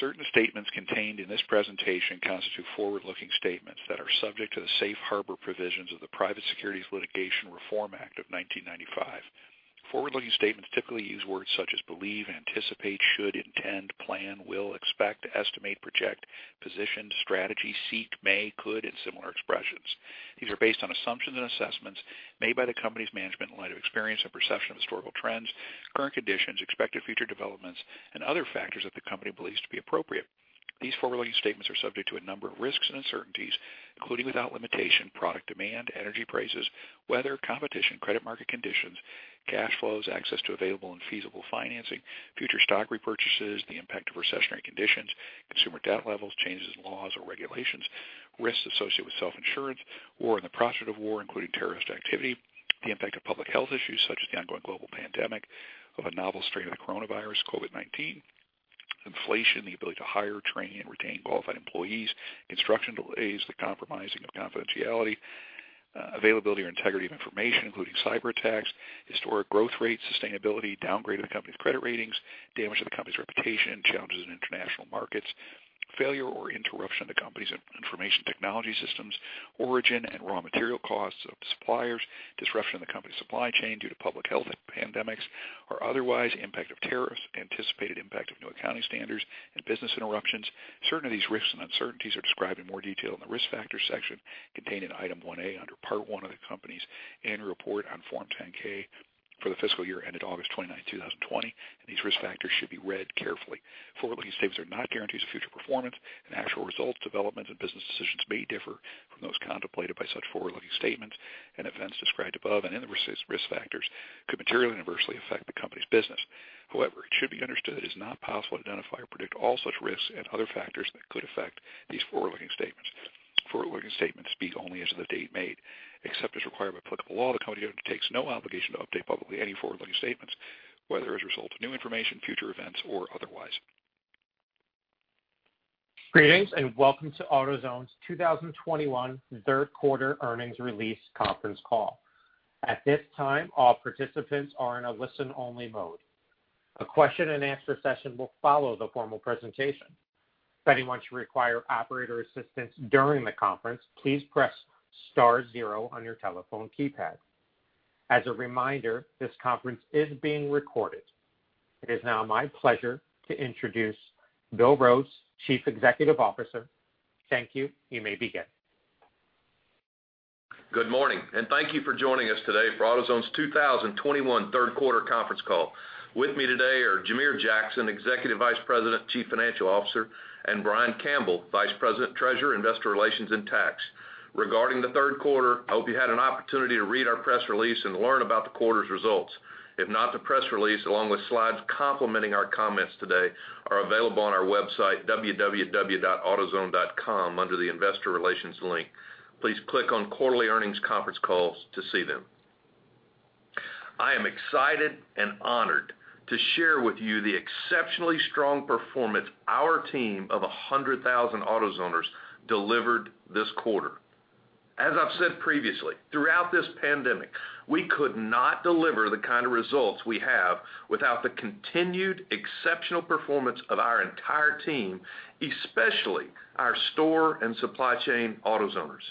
Certain statements contained in this presentation constitute forward-looking statements that are subject to the safe harbor provisions of the Private Securities Litigation Reform Act of 1995. Forward-looking statements typically use words such as believe, anticipate, should, intend, plan, will, expect, estimate, project, position, strategy, seek, may, could, and similar expressions. These are based on assumptions and assessments made by the company's management in light of experience and perception of historical trends, current conditions, expected future developments, and other factors that the company believes to be appropriate. These forward-looking statements are subject to a number of risks and uncertainties, including without limitation, product demand, energy prices, weather, competition, credit market conditions, cash flows, access to available and feasible financing, future stock repurchases, the impact of recessionary conditions, consumer debt levels, changes in laws or regulations, risks associated with self-insurance, war or the prospect of war, including terrorist activity, the impact of public health issues such as the ongoing global pandemic of a novel strain of coronavirus (COVID-19), ...inflation, the ability to hire, train, and retain qualified employees, construction delays, the compromising of confidentiality, availability or integrity of information, including cyberattacks, historic growth rates, sustainability, downgrade of the company's credit ratings, damage to the company's reputation, challenges in international markets, failure or interruption of the company's information technology systems, origin and raw material costs of suppliers, disruption of the company's supply chain due to public health pandemics or otherwise, impact of tariffs, anticipated impact of new accounting standards and business interruptions. Certain of these risks and uncertainties are described in more detail in the Risk Factors section contained in Item 1A under Part 1 of the company's Annual Report on Form 10-K for the fiscal year ended August 29, 2020. These risk factors should be read carefully. Forward-looking statements are not guarantees of future performance, and actual results, developments, and business decisions may differ from those contemplated by such forward-looking statements and events described above and in the risk factors could materially adversely affect the company's business. However, it should be understood that it is not possible to identify or predict all such risks and other factors that could affect these forward-looking statements. Forward-looking statements speak only as of the date made. Except as required by applicable law, the company undertakes no obligation to update publicly any forward-looking statements, whether as a result of new information, future events, or otherwise. Greetings, and welcome to AutoZone's 2021 third quarter earnings release conference call. At this time, all participants are in a listen-only mode. A question-and-answer session will follow the formal presentation. If anyone should require operator assistance during the conference, please press star zero on your telephone keypad. As a reminder, this conference is being recorded. It is now my pleasure to introduce Bill Rhodes, Chief Executive Officer. Thank you. You may begin. Good morning, thank you for joining us today for AutoZone's 2021 third quarter conference call. With me today are Jamere Jackson, Executive Vice President, Chief Financial Officer, and Brian Campbell, Vice President, Treasurer, Investor Relations, and Tax. Regarding the third quarter, I hope you had an opportunity to read our press release and learn about the quarter's results. If not, the press release, along with slides complementing our comments today, are available on our website, www.autozone.com, under the Investor Relations link. Please click on Quarterly Earnings Conference Calls to see them. I am excited and honored to share with you the exceptionally strong performance our team of 100,000 AutoZoners delivered this quarter. As I've said previously, throughout this pandemic, we could not deliver the kind of results we have without the continued exceptional performance of our entire team, especially our store and supply chain AutoZoners.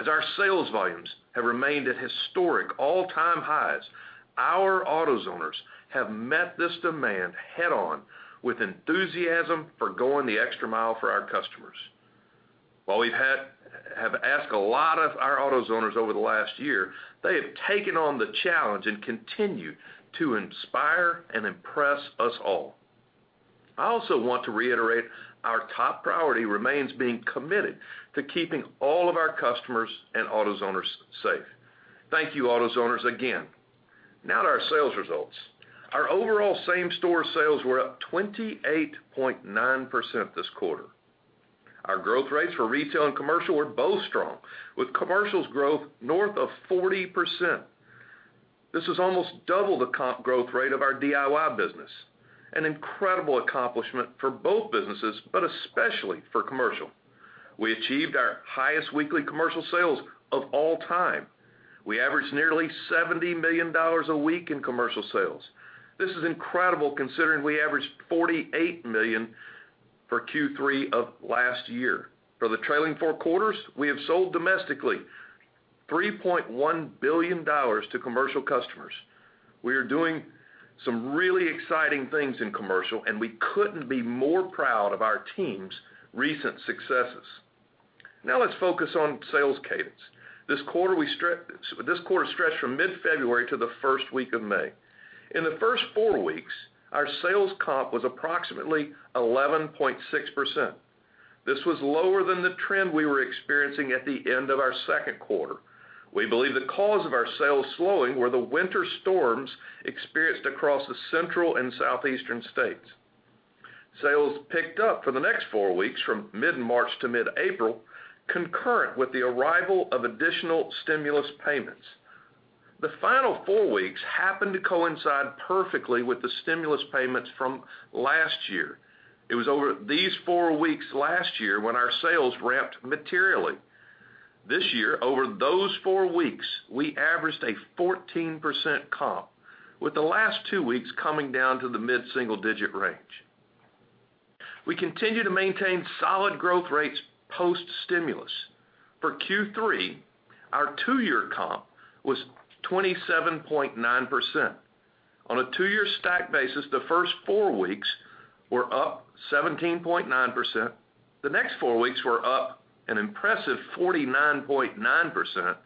As our sales volumes have remained at historic all-time highs, our AutoZoners have met this demand head-on with enthusiasm for going the extra mile for our customers. While we have asked a lot of our AutoZoners over the last year, they have taken on the challenge and continued to inspire and impress us all. I also want to reiterate our top priority remains being committed to keeping all of our customers and AutoZoners safe. Thank you, AutoZoners, again. Now to our sales results. Our overall same-store sales were up 28.9% this quarter. Our growth rates for retail and commercial were both strong, with commercial's growth north of 40%. This is almost double the comp growth rate of our DIY business, an incredible accomplishment for both businesses, but especially for commercial. We achieved our highest weekly commercial sales of all time. We averaged nearly $70 million a week in commercial sales. This is incredible considering we averaged $48 million for Q3 of last year. For the trailing four quarters, we have sold domestically $3.1 billion to commercial customers. We are doing some really exciting things in commercial, and we couldn't be more proud of our team's recent successes. Now let's focus on sales cadence. This quarter stretched from mid-February to the first week of May. In the first four weeks, our sales comp was approximately 11.6%. This was lower than the trend we were experiencing at the end of our second quarter. We believe the cause of our sales slowing were the winter storms experienced across the central and southeastern states. Sales picked up for the next four weeks, from mid-March to mid-April, concurrent with the arrival of additional stimulus payments. The final four weeks happened to coincide perfectly with the stimulus payments from last year. It was over these four weeks last year when our sales ramped materially. This year, over those four weeks, we averaged a 14% comp, with the last two weeks coming down to the mid-single-digit range. We continue to maintain solid growth rates post-stimulus. For Q3, our two-year comp was 27.9%. On a two-year stack basis, the first four weeks were up 17.9%, the next four weeks were up an impressive 49.9%,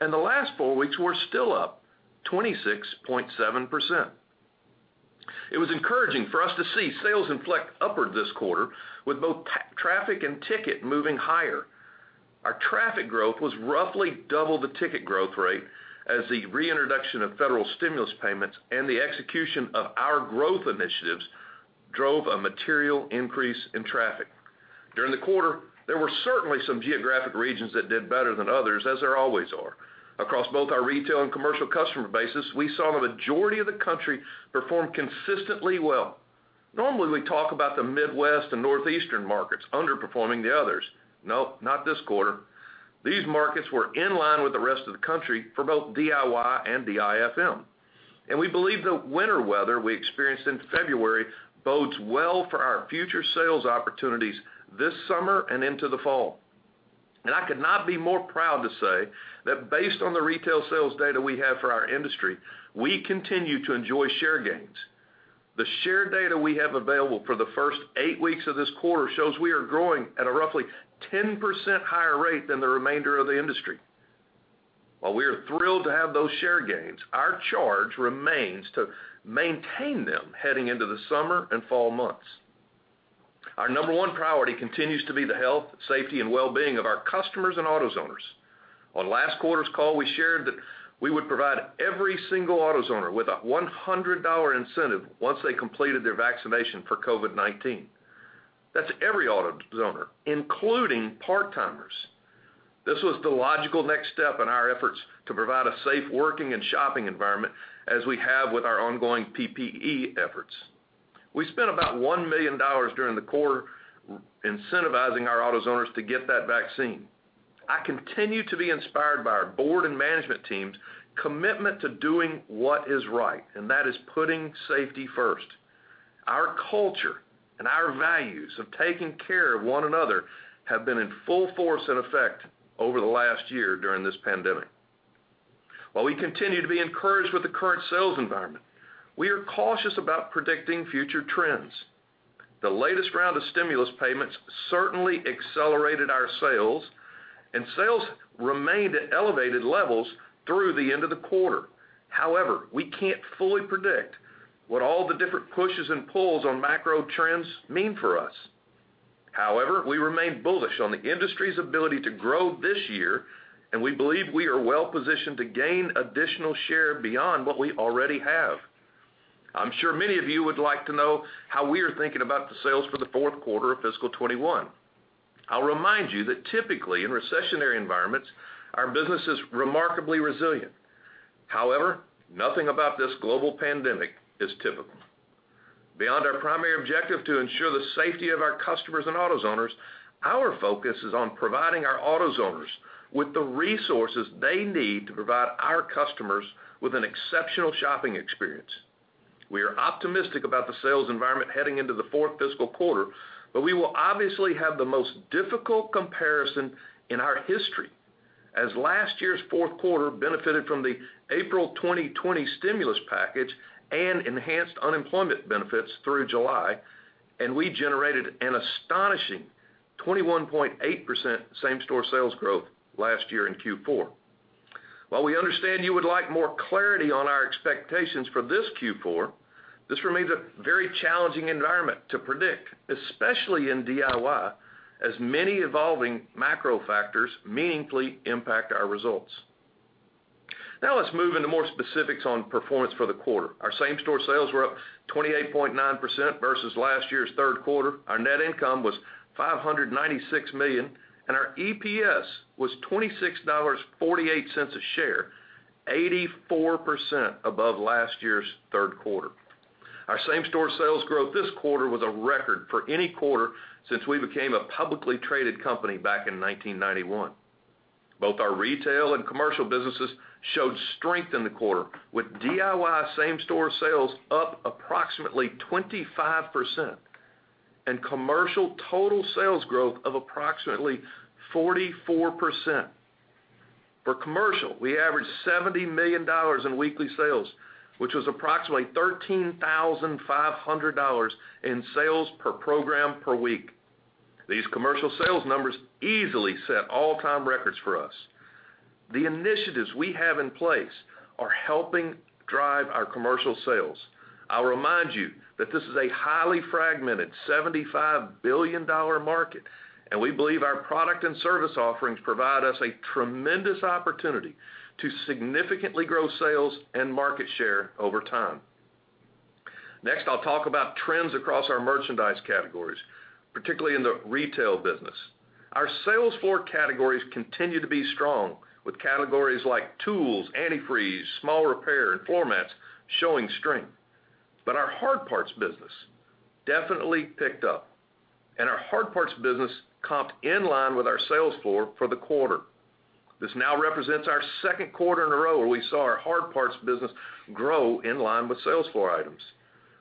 and the last four weeks were still up 26.7%. It was encouraging for us to see sales inflect upward this quarter with both traffic and ticket moving higher. Our traffic growth was roughly double the ticket growth rate as the reintroduction of federal stimulus payments and the execution of our growth initiatives drove a material increase in traffic. During the quarter, there were certainly some geographic regions that did better than others, as there always are. Across both our retail and commercial customer bases, we saw the majority of the country perform consistently well. Normally, we talk about the Midwest and Northeastern markets underperforming the others. No, not this quarter. These markets were in line with the rest of the country for both DIY and DIFM. We believe the winter weather we experienced in February bodes well for our future sales opportunities this summer and into the fall. I could not be more proud to say that based on the retail sales data we have for our industry, we continue to enjoy share gains. The share data we have available for the first eight weeks of this quarter shows we are growing at a roughly 10% higher rate than the remainder of the industry. While we are thrilled to have those share gains, our charge remains to maintain them heading into the summer and fall months. Our number one priority continues to be the health, safety, and well-being of our customers and AutoZoners. On last quarter's call, we shared that we would provide every single AutoZoner with a $100 incentive once they completed their vaccination for COVID-19. That's every AutoZoner, including part-timers. This was the logical next step in our efforts to provide a safe working and shopping environment, as we have with our ongoing PPE efforts. We spent about $1 million during the quarter incentivizing our AutoZoners to get that vaccine. I continue to be inspired by our board and management team's commitment to doing what is right, and that is putting safety first. Our culture and our values of taking care of one another have been in full force and effect over the last year during this pandemic. While we continue to be encouraged with the current sales environment, we are cautious about predicting future trends. The latest round of stimulus payments certainly accelerated our sales, and sales remained at elevated levels through the end of the quarter. We can't fully predict what all the different pushes and pulls on macro trends mean for us. We remain bullish on the industry's ability to grow this year, and we believe we are well-positioned to gain additional share beyond what we already have. I'm sure many of you would like to know how we are thinking about the sales for the fourth quarter of fiscal 2021. I'll remind you that typically in recessionary environments, our business is remarkably resilient. Nothing about this global pandemic is typical. Beyond our primary objective to ensure the safety of our customers and AutoZoners, our focus is on providing our AutoZoners with the resources they need to provide our customers with an exceptional shopping experience. We are optimistic about the sales environment heading into the fourth fiscal quarter, we will obviously have the most difficult comparison in our history as last year's fourth quarter benefited from the April 2020 stimulus package and enhanced unemployment benefits through July, we generated an astonishing 21.8% same-store sales growth last year in Q4. While we understand you would like more clarity on our expectations for this Q4, this remains a very challenging environment to predict, especially in DIY, as many evolving macro factors meaningfully impact our results. Let's move into more specifics on performance for the quarter. Our same-store sales were up 28.9% versus last year's third quarter. Our net income was $596 million, and our EPS was $26.48 a share, 84% above last year's third quarter. Our same-store sales growth this quarter was a record for any quarter since we became a publicly traded company back in 1991. Both our retail and commercial businesses showed strength in the quarter, with DIY same-store sales up approximately 25% and commercial total sales growth of approximately 44%. For commercial, we averaged $70 million in weekly sales, which is approximately $13,500 in sales per program per week. These commercial sales numbers easily set all-time records for us. The initiatives we have in place are helping drive our commercial sales. I'll remind you that this is a highly fragmented $75 billion market. We believe our product and service offerings provide us a tremendous opportunity to significantly grow sales and market share over time. Next, I'll talk about trends across our merchandise categories, particularly in the retail business. Our sales floor categories continue to be strong, with categories like tools, antifreeze, small repair, and floor mats showing strength. Our hard parts business definitely picked up. Our hard parts business comped in line with our sales floor for the quarter. This now represents our second quarter in a row where we saw our hard parts business grow in line with sales floor items.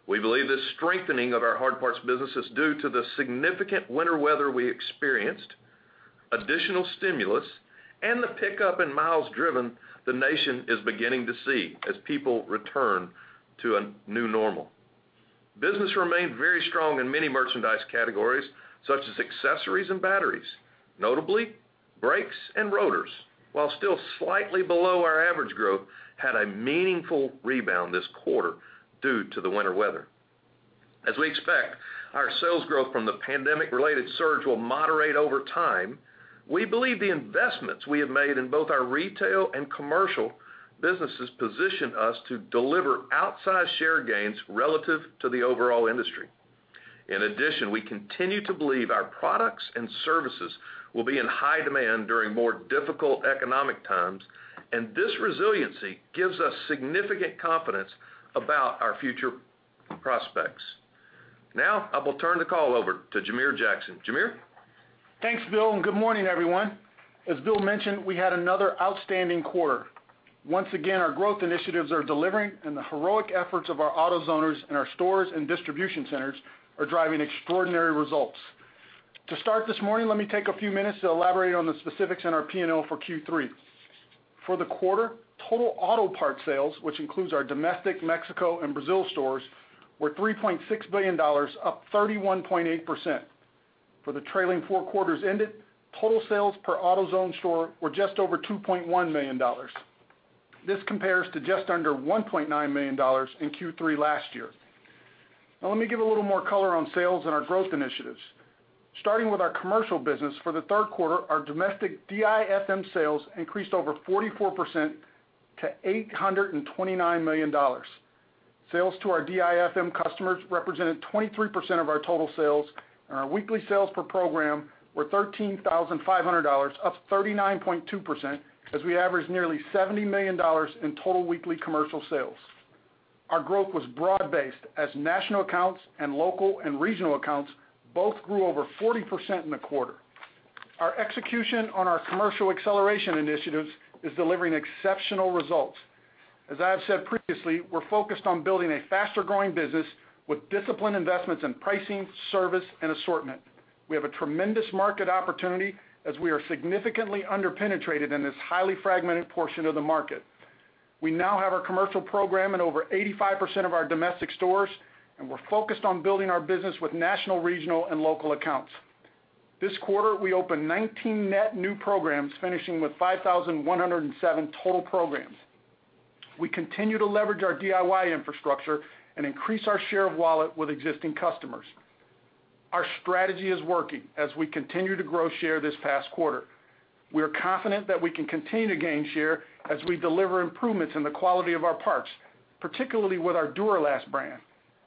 We believe this strengthening of our hard parts business is due to the significant winter weather we experienced, additional stimulus, and the pickup in miles driven the nation is beginning to see as people return to a new normal. Business remained very strong in many merchandise categories, such as accessories and batteries. Notably, brakes and rotors, while still slightly below our average growth, had a meaningful rebound this quarter due to the winter weather. As we expect our sales growth from the pandemic-related surge will moderate over time, we believe the investments we have made in both our retail and commercial businesses position us to deliver outsized share gains relative to the overall industry. In addition, we continue to believe our products and services will be in high demand during more difficult economic times, and this resiliency gives us significant confidence about our future prospects. Now, I will turn the call over to Jamere Jackson. Jamere? Thanks, Bill, and good morning, everyone. As Bill mentioned, we had another outstanding quarter. Once again, our growth initiatives are delivering and the heroic efforts of our AutoZoners in our stores and distribution centers are driving extraordinary results. To start this morning, let me take a few minutes to elaborate on the specifics in our P&L for Q3. For the quarter, total auto parts sales, which includes our domestic, Mexico, and Brazil stores, were $3.6 billion, up 31.8%. For the trailing four quarters ended, total sales per AutoZone store were just over $2.1 million. This compares to just under $1.9 million in Q3 last year. Now let me give a little more color on sales and our growth initiatives. Starting with our commercial business, for the third quarter, our domestic DIFM sales increased over 44% to $829 million. Sales to our DIFM customers represented 23% of our total sales, and our weekly sales per program were $13,500, up 39.2% as we averaged nearly $70 million in total weekly commercial sales. Our growth was broad-based as national accounts and local and regional accounts both grew over 40% in the quarter. Our execution on our commercial acceleration initiatives is delivering exceptional results. As I have said previously, we're focused on building a faster-growing business with disciplined investments in pricing, service, and assortment. We have a tremendous market opportunity as we are significantly under-penetrated in this highly fragmented portion of the market. We now have our commercial program in over 85% of our domestic stores, and we're focused on building our business with national, regional, and local accounts. This quarter, we opened 19 net new programs, finishing with 5,107 total programs. We continue to leverage our DIY infrastructure and increase our share of wallet with existing customers. Our strategy is working as we continue to grow share this past quarter. We are confident that we can continue to gain share as we deliver improvements in the quality of our parts, particularly with our Duralast brand,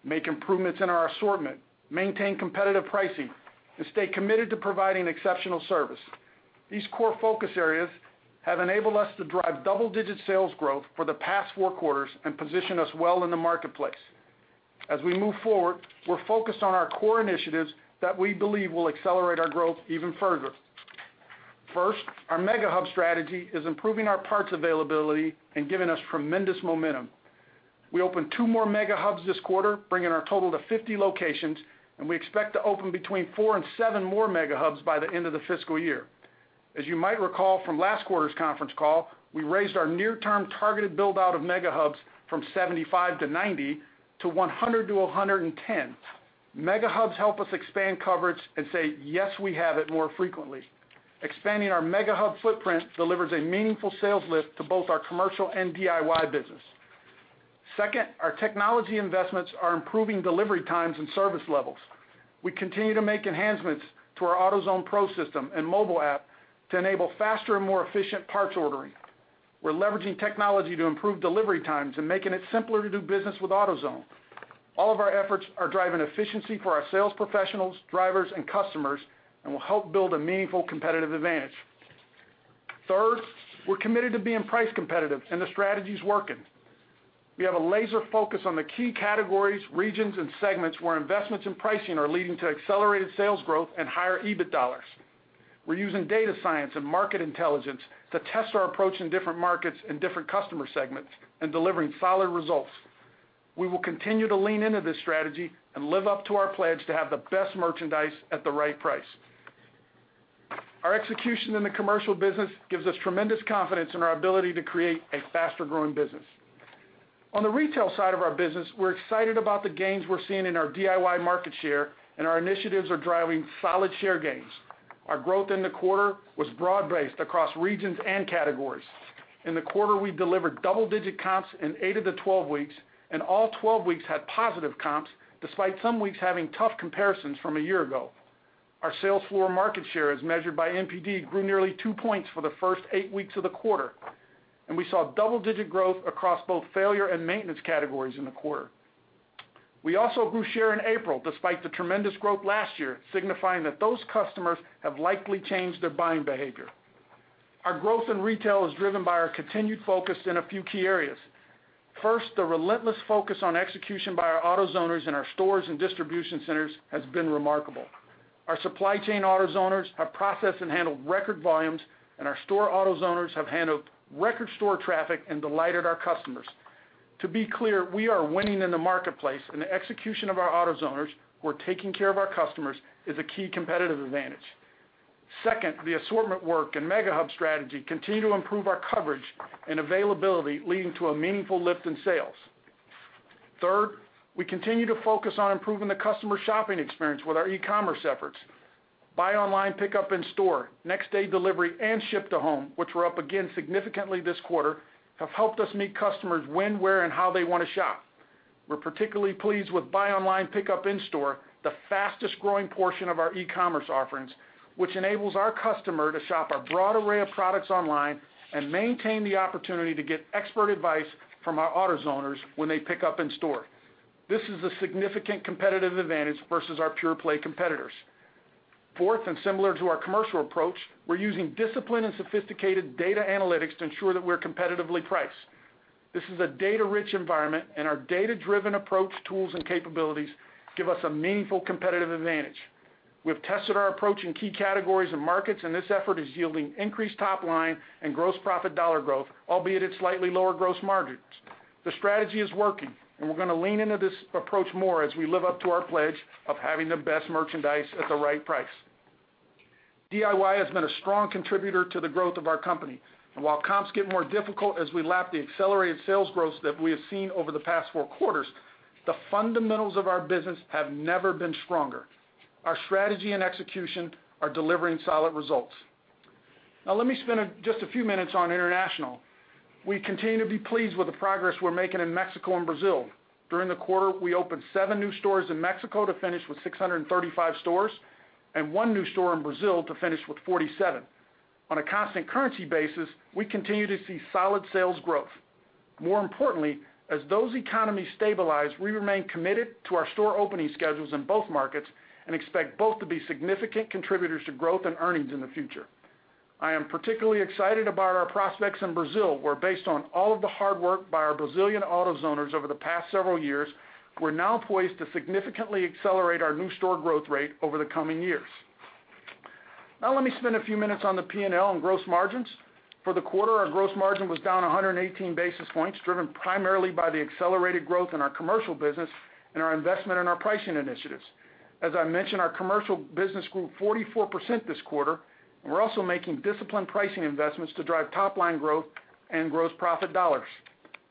make improvements in our assortment, maintain competitive pricing, and stay committed to providing exceptional service. These core focus areas have enabled us to drive double-digit sales growth for the past four quarters and position us well in the marketplace. As we move forward, we're focused on our core initiatives that we believe will accelerate our growth even further. First, our mega hub strategy is improving our parts availability and giving us tremendous momentum. We opened two more mega hubs this quarter, bringing our total to 50 locations, and we expect to open between four and seven more mega hubs by the end of the fiscal year. As you might recall from last quarter's conference call, we raised our near-term targeted build-out of mega hubs from 75-90, to 100-110. Mega hubs help us expand coverage and say, "Yes, we have it" more frequently. Expanding our mega hub footprint delivers a meaningful sales lift to both our commercial and DIY business. Second, our technology investments are improving delivery times and service levels. We continue to make enhancements to our AutoZone Pro system and mobile app to enable faster and more efficient parts ordering. We're leveraging technology to improve delivery times and making it simpler to do business with AutoZone. All of our efforts are driving efficiency for our sales professionals, drivers, and customers and will help build a meaningful competitive advantage. Third, we're committed to being price competitive and the strategy's working. We have a laser focus on the key categories, regions, and segments where investments in pricing are leading to accelerated sales growth and higher EBIT dollars. We're using data science and market intelligence to test our approach in different markets and different customer segments and delivering solid results. We will continue to lean into this strategy and live up to our pledge to have the best merchandise at the right price. Our execution in the commercial business gives us tremendous confidence in our ability to create a faster-growing business. On the retail side of our business, we're excited about the gains we're seeing in our DIY market share, and our initiatives are driving solid share gains. Our growth in the quarter was broad-based across regions and categories. In the quarter, we delivered double-digit comps in eight of the 12 weeks, and all 12 weeks had positive comps, despite some weeks having tough comparisons from a year ago. Our sales floor market share, as measured by NPD, grew nearly two points for the first eight weeks of the quarter, and we saw double-digit growth across both failure and maintenance categories in the quarter. We also grew share in April, despite the tremendous growth last year, signifying that those customers have likely changed their buying behavior. Our growth in retail is driven by our continued focus in a few key areas. First, the relentless focus on execution by our AutoZoners in our stores and distribution centers has been remarkable. Our supply chain AutoZoners have processed and handled record volumes, and our store AutoZoners have handled record store traffic and delighted our customers. To be clear, we are winning in the marketplace, and the execution of our AutoZoners who are taking care of our customers is a key competitive advantage. Second, the assortment work and mega hub strategy continue to improve our coverage and availability, leading to a meaningful lift in sales. Third, we continue to focus on improving the customer shopping experience with our e-commerce efforts. Buy online, pick up in store, next day delivery, and ship to home, which were up again significantly this quarter, have helped us meet customers when, where, and how they want to shop. We're particularly pleased with buy online, pick up in store, the fastest-growing portion of our e-commerce offerings, which enables our customer to shop our broad array of products online and maintain the opportunity to get expert advice from our AutoZoners when they pick up in store. This is a significant competitive advantage versus our pure-play competitors. Fourth, and similar to our commercial approach, we're using discipline and sophisticated data analytics to ensure that we're competitively priced. This is a data-rich environment, and our data-driven approach, tools, and capabilities give us a meaningful competitive advantage. We've tested our approach in key categories and markets, and this effort is yielding increased top line and gross profit dollar growth, albeit at slightly lower gross margins. The strategy is working, we're going to lean into this approach more as we live up to our pledge of having the best merchandise at the right price. DIY has been a strong contributor to the growth of our company, and while comps get more difficult as we lap the accelerated sales growth that we have seen over the past four quarters, the fundamentals of our business have never been stronger. Our strategy and execution are delivering solid results. Now let me spend just a few minutes on international. We continue to be pleased with the progress we're making in Mexico and Brazil. During the quarter, we opened seven new stores in Mexico to finish with 635 stores, and one new store in Brazil to finish with 47. On a constant currency basis, we continue to see solid sales growth. More importantly, as those economies stabilize, we remain committed to our store opening schedules in both markets and expect both to be significant contributors to growth and earnings in the future. I am particularly excited about our prospects in Brazil, where based on all of the hard work by our Brazilian AutoZoners over the past several years, we're now poised to significantly accelerate our new store growth rate over the coming years. Let me spend a few minutes on the P&L and gross margins. For the quarter, our gross margin was down 118 basis points, driven primarily by the accelerated growth in our commercial business and our investment in our pricing initiatives. As I mentioned, our commercial business grew 44% this quarter, and we're also making disciplined pricing investments to drive top-line growth and gross profit dollars.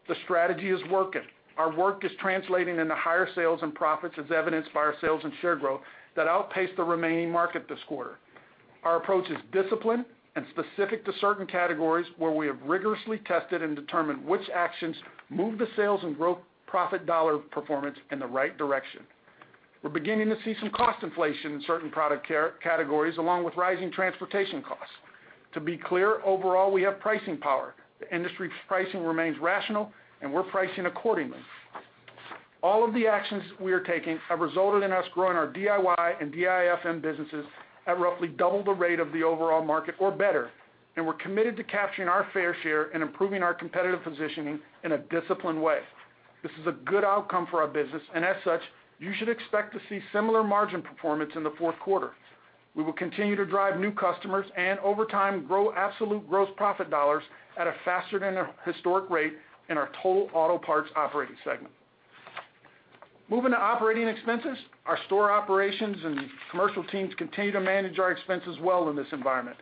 The strategy is working. Our work is translating into higher sales and profits as evidenced by our sales and share growth that outpaced the remaining market this quarter. Our approach is disciplined and specific to certain categories where we have rigorously tested and determined which actions move the sales and gross profit dollar performance in the right direction. We're beginning to see some cost inflation in certain product categories along with rising transportation costs. To be clear, overall, we have pricing power. The industry's pricing remains rational, and we're pricing accordingly. All of the actions we are taking have resulted in us growing our DIY and DIFM businesses at roughly double the rate of the overall market or better, and we're committed to capturing our fair share and improving our competitive positioning in a disciplined way. This is a good outcome for our business, and as such, you should expect to see similar margin performance in the fourth quarter. We will continue to drive new customers and over time grow absolute gross profit dollars at a faster-than-historic rate in our total auto parts operating segment. Moving to operating expenses, our store operations and commercial teams continue to manage our expenses well in this environment.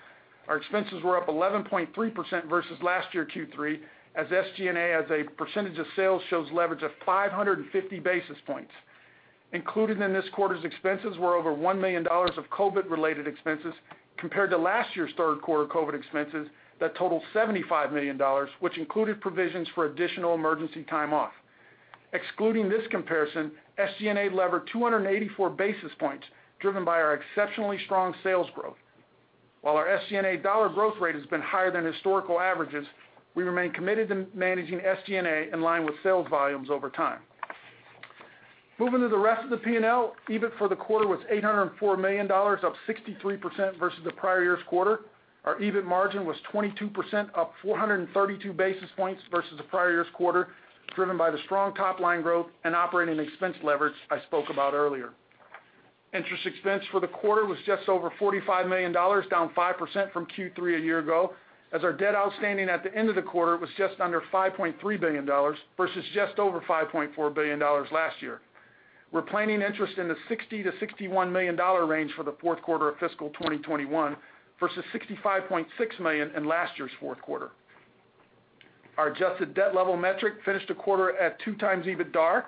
Our expenses were up 11.3% versus last year Q3 as SG&A as a percentage of sales shows leverage of 550 basis points. Included in this quarter's expenses were over $1 million of COVID-related expenses compared to last year's third quarter COVID expenses that totaled $75 million, which included provisions for additional emergency time off. Excluding this comparison, SG&A levered 284 basis points, driven by our exceptionally strong sales growth. While our SG&A dollar growth rate has been higher than historical averages, we remain committed to managing SG&A in line with sales volumes over time. Moving to the rest of the P&L, EBIT for the quarter was $804 million, up 63% versus the prior year's quarter. Our EBIT margin was 22%, up 432 basis points versus the prior year's quarter, driven by the strong top-line growth and operating expense leverage I spoke about earlier. Interest expense for the quarter was just over $45 million, down 5% from Q3 a year ago, as our debt outstanding at the end of the quarter was just under $5.3 billion versus just over $5.4 billion last year. We're planning interest in the $60 million-$61 million range for the fourth quarter of fiscal 2021 versus $65.6 million in last year's fourth quarter. Our adjusted debt level metric finished the quarter at 2x EBITDA.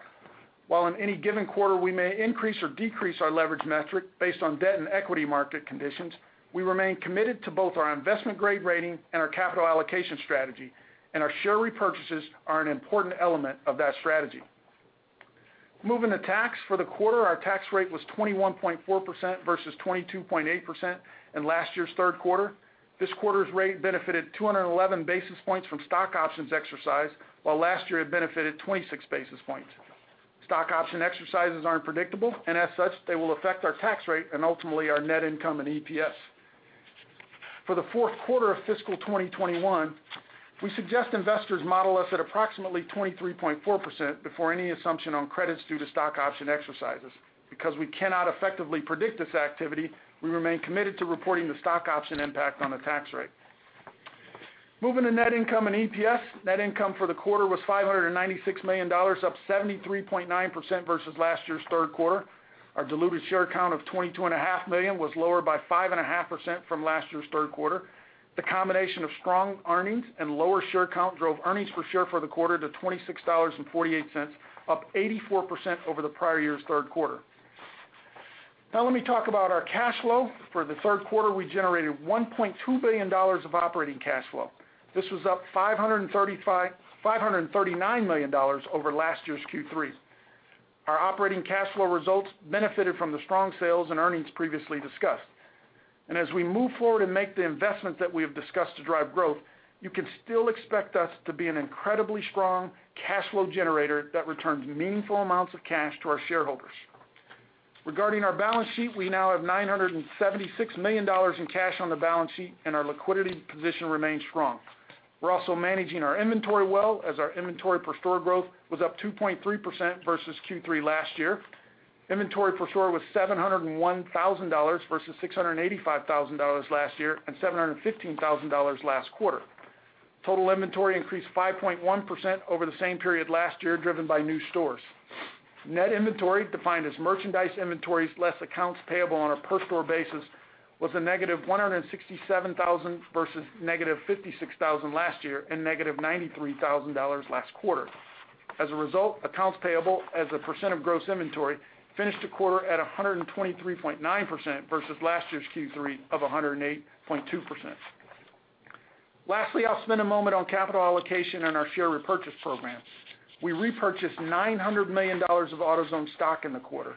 While in any given quarter we may increase or decrease our leverage metric based on debt and equity market conditions, we remain committed to both our investment-grade rating and our capital allocation strategy, and our share repurchases are an important element of that strategy. Moving to tax, for the quarter, our tax rate was 21.4% versus 22.8% in last year's third quarter. This quarter's rate benefited 211 basis points from stock options exercised, while last year it benefited 26 basis points. Stock option exercises aren't predictable, and as such, they will affect our tax rate and ultimately our net income and EPS. For the fourth quarter of fiscal 2021, we suggest investors model us at approximately 23.4% before any assumption on credits due to stock option exercises. Because we cannot effectively predict this activity, we remain committed to reporting the stock option impact on the tax rate. Moving to net income and EPS, net income for the quarter was $596 million, up 73.9% versus last year's third quarter. Our diluted share count of 22.5 million was lower by 5.5% from last year's third quarter. The combination of strong earnings and lower share count drove earnings per share for the quarter to $26.48, up 84% over the prior year's third quarter. Let me talk about our cash flow. For the third quarter, we generated $1.2 billion of operating cash flow. This was up $539 million over last year's Q3. Our operating cash flow results benefited from the strong sales and earnings previously discussed. As we move forward and make the investments that we have discussed to drive growth, you can still expect us to be an incredibly strong cash flow generator that returns meaningful amounts of cash to our shareholders. Regarding our balance sheet, we now have $976 million in cash on the balance sheet, and our liquidity position remains strong. We're also managing our inventory well, as our inventory per store growth was up 2.3% versus Q3 last year. Inventory per store was $701,000 versus $685,000 last year and $715,000 last quarter. Total inventory increased 5.1% over the same period last year, driven by new stores. Net inventory, defined as merchandise inventories less accounts payable on a per store basis, was -$167,000 versus -$56,000 last year and -$93,000 last quarter. As a result, accounts payable as a percent of gross inventory finished the quarter at 123.9% versus last year's Q3 of 108.2%. Lastly, I'll spend a moment on capital allocation and our share repurchase program. We repurchased $900 million of AutoZone stock in the quarter.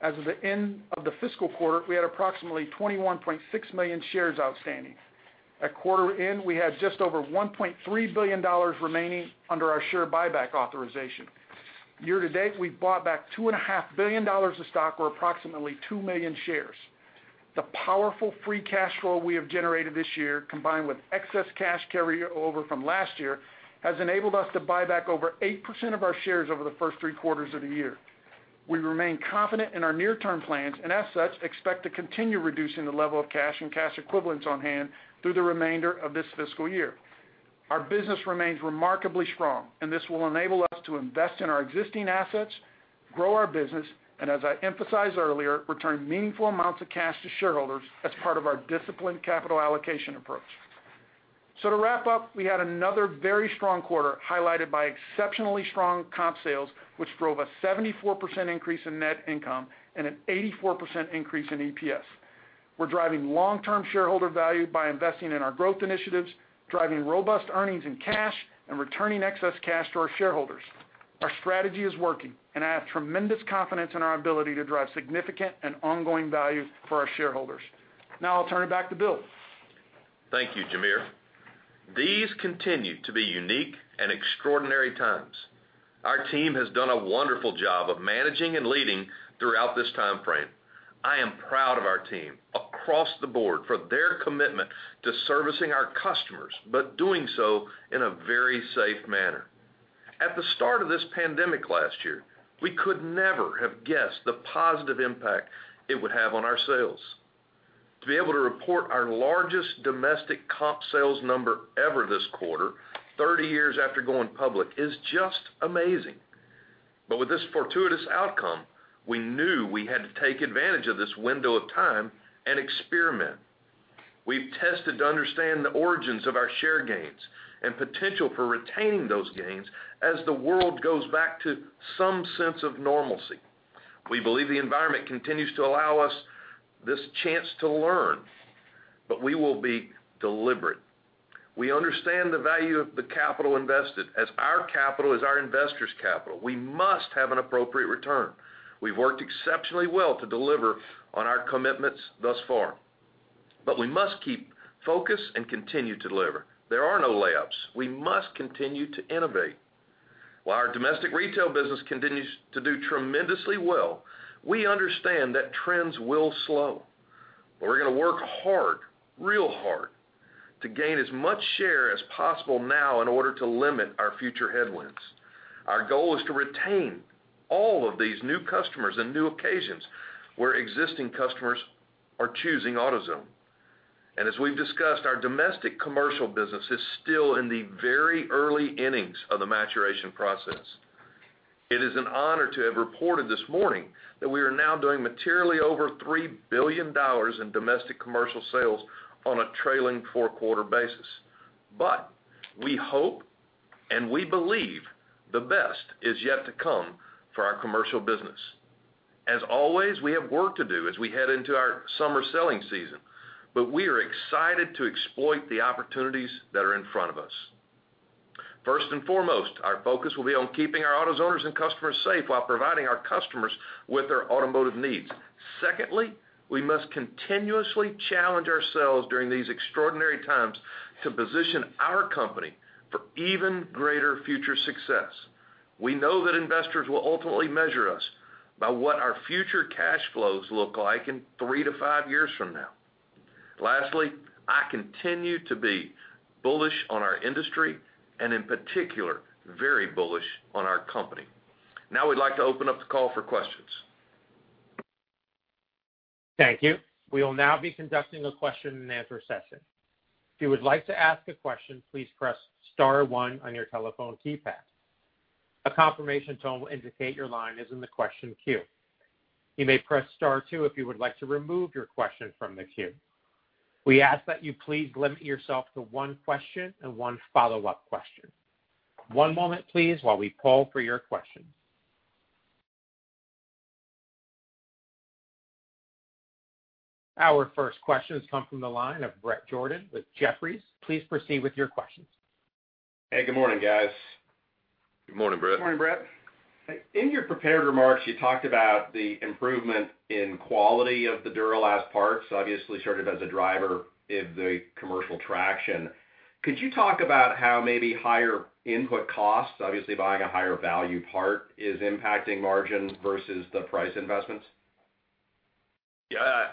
As of the end of the fiscal quarter, we had approximately 21.6 million shares outstanding. At quarter end, we had just over $1.3 billion remaining under our share buyback authorization. Year to date, we've bought back $2.5 billion of stock, or approximately 2 million shares. The powerful free cash flow we have generated this year, combined with excess cash carryover from last year, has enabled us to buy back over 8% of our shares over the first three quarters of the year. As such, expect to continue reducing the level of cash and cash equivalents on hand through the remainder of this fiscal year. Our business remains remarkably strong, and this will enable us to invest in our existing assets, grow our business, and as I emphasized earlier, return meaningful amounts of cash to shareholders as part of our disciplined capital allocation approach. To wrap up, we had another very strong quarter highlighted by exceptionally strong comp sales, which drove a 74% increase in net income and an 84% increase in EPS. We're driving long-term shareholder value by investing in our growth initiatives, driving robust earnings in cash, and returning excess cash to our shareholders. Our strategy is working, and I have tremendous confidence in our ability to drive significant and ongoing value for our shareholders. Now I'll turn it back to Bill. Thank you, Jamere. These continue to be unique and extraordinary times. Our team has done a wonderful job of managing and leading throughout this time frame. I am proud of our team across the board for their commitment to servicing our customers, but doing so in a very safe manner. At the start of this pandemic last year, we could never have guessed the positive impact it would have on our sales. To be able to report our largest domestic comp sales number ever this quarter, 30 years after going public, is just amazing. With this fortuitous outcome, we knew we had to take advantage of this window of time and experiment. We've tested to understand the origins of our share gains and potential for retaining those gains as the world goes back to some sense of normalcy. We believe the environment continues to allow us this chance to learn, but we will be deliberate. We understand the value of the capital invested as our capital is our investors' capital. We must have an appropriate return. We've worked exceptionally well to deliver on our commitments thus far, but we must keep focused and continue to deliver. There are no layups. We must continue to innovate. While our domestic retail business continues to do tremendously well, we understand that trends will slow, but we're going to work hard, real hard, to gain as much share as possible now in order to limit our future headwinds. Our goal is to retain all of these new customers and new occasions where existing customers are choosing AutoZone. As we've discussed, our domestic commercial business is still in the very early innings of the maturation process. It is an honor to have reported this morning that we are now doing materially over $3 billion in domestic commercial sales on a trailing four-quarter basis. We hope and we believe the best is yet to come for our commercial business. As always, we have work to do as we head into our summer selling season, but we are excited to exploit the opportunities that are in front of us. First and foremost, our focus will be on keeping our AutoZoners and customers safe while providing our customers with their automotive needs. Secondly, we must continuously challenge ourselves during these extraordinary times to position our company for even greater future success. We know that investors will ultimately measure us by what our future cash flows look like in three-five years from now. Lastly, I continue to be bullish on our industry, and in particular, very bullish on our company. Now we'd like to open up the call for questions. Thank you. We will now be conducting a question and answer session. If you would like to ask a question, please press star one on your telephone keypad. A confirmation tone will indicate your line is in the question queue. You may press star two if you would like to remove your question from the queue. We ask that you please limit yourself to one question and one follow-up question. One moment, please, while we call for your question. Our first question comes from the line of Bret Jordan with Jefferies. Please proceed with your questions. Hey, good morning, guys. Good morning, Bret. Good morning, Bret. In your prepared remarks, you talked about the improvement in quality of the Duralast parts obviously started as a driver of the commercial traction. Could you talk about how maybe higher input costs, obviously buying a higher value part, is impacting margins versus the price investments? Yeah.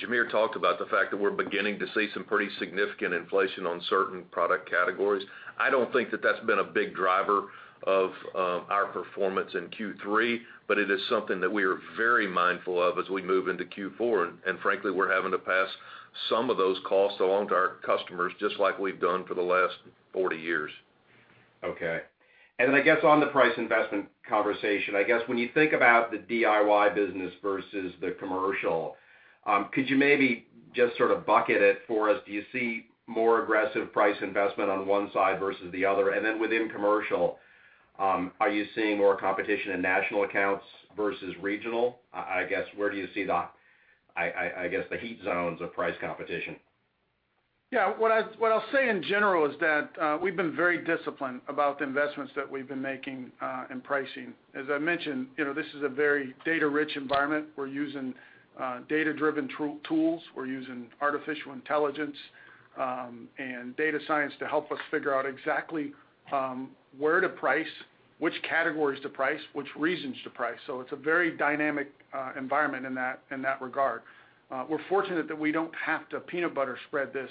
Jamere talked about the fact that we're beginning to see some pretty significant inflation on certain product categories. I don't think that's been a big driver of our performance in Q3, but it is something that we are very mindful of as we move into Q4, and frankly, we're having to pass some of those costs along to our customers, just like we've done for the last 40 years. Okay. I guess on the price investment conversation, I guess when you think about the DIY business versus the commercial, could you maybe just sort of bucket it for us? Do you see more aggressive price investment on one side versus the other? Within commercial, are you seeing more competition in national accounts versus regional? I guess where do you see the heat zones of price competition? Yeah. What I'll say in general is that we've been very disciplined about the investments that we've been making in pricing. As I mentioned, this is a very data-rich environment. We're using data-driven tools. We're using artificial intelligence and data science to help us figure out exactly where to price, which categories to price, which regions to price. It's a very dynamic environment in that regard. We're fortunate that we don't have to peanut butter spread this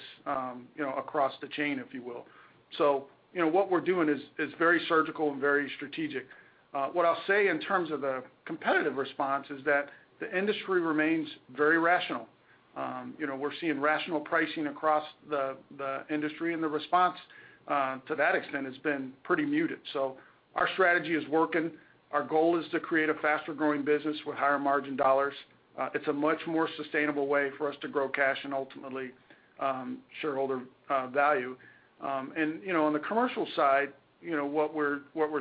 across the chain, if you will. What we're doing is very surgical and very strategic. What I'll say in terms of the competitive response is that the industry remains very rational. We're seeing rational pricing across the industry, the response to that extent has been pretty muted. Our strategy is working. Our goal is to create a faster-growing business with higher-margin dollars. It's a much more sustainable way for us to grow cash and ultimately shareholder value. On the commercial side, what we're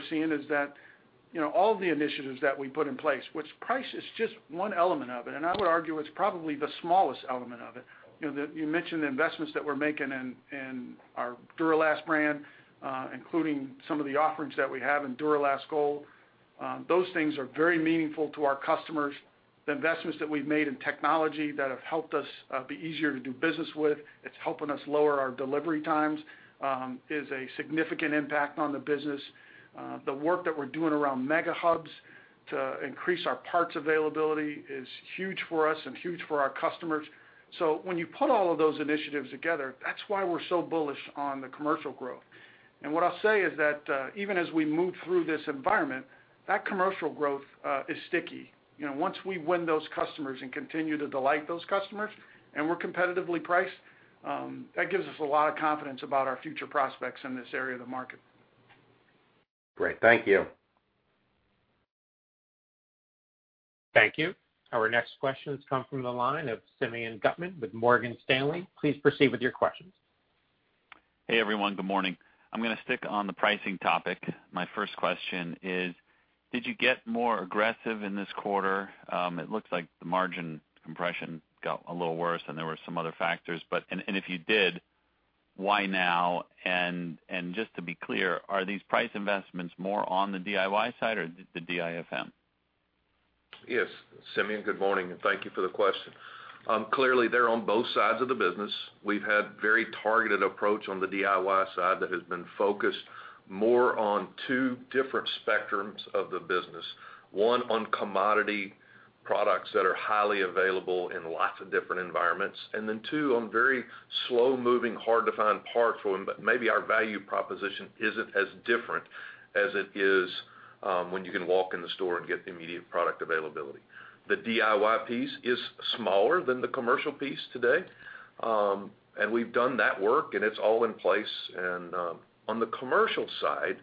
seeing is that all the initiatives that we put in place, which price is just one element of it, and I would argue it's probably the smallest element of it. You mentioned the investments that we're making in our Duralast brand, including some of the offerings that we have in Duralast Gold. Those things are very meaningful to our customers. The investments that we've made in technology that have helped us be easier to do business with, it's helping us lower our delivery times, is a significant impact on the business. The work that we're doing around mega hubs to increase our parts availability is huge for us and huge for our customers. When you put all of those initiatives together, that's why we're so bullish on the commercial growth. What I'll say is that even as we move through this environment, that commercial growth is sticky. Once we win those customers and continue to delight those customers, and we're competitively priced, that gives us a lot of confidence about our future prospects in this area of the market. Great. Thank you. Thank you. Our next question comes from the line of Simeon Gutman with Morgan Stanley. Please proceed with your question. Hey, everyone. Good morning. I'm going to stick on the pricing topic. My first question is, did you get more aggressive in this quarter? It looks like the margin compression got a little worse, and there were some other factors. If you did, why now? Just to be clear, are these price investments more on the DIY side or the DIFM? Yes. Simeon, good morning. Thank you for the question. Clearly, they're on both sides of the business. We've had very targeted approach on the DIY side that has been focused more on two different spectrums of the business. One, on commodity products that are highly available in lots of different environments. Two, on very slow-moving, hard-to-find parts where maybe our value proposition isn't as different as it is when you can walk in the store and get the immediate product availability. The DIY piece is smaller than the commercial piece today. We've done that work, and it's all in place. On the commercial side,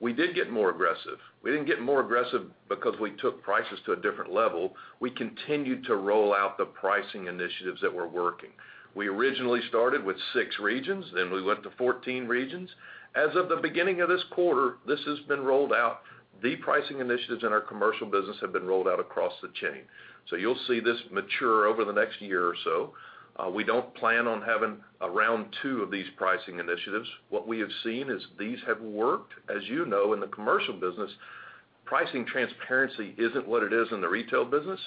we did get more aggressive. We didn't get more aggressive because we took prices to a different level. We continued to roll out the pricing initiatives that were working. We originally started with six regions, then we went to 14 regions. As of the beginning of this quarter, this has been rolled out. The pricing initiatives in our commercial business have been rolled out across the chain. You'll see this mature over the next year or so. We don't plan on having a round two of these pricing initiatives. What we have seen is these have worked. As you know, in the commercial business, pricing transparency isn't what it is in the retail business.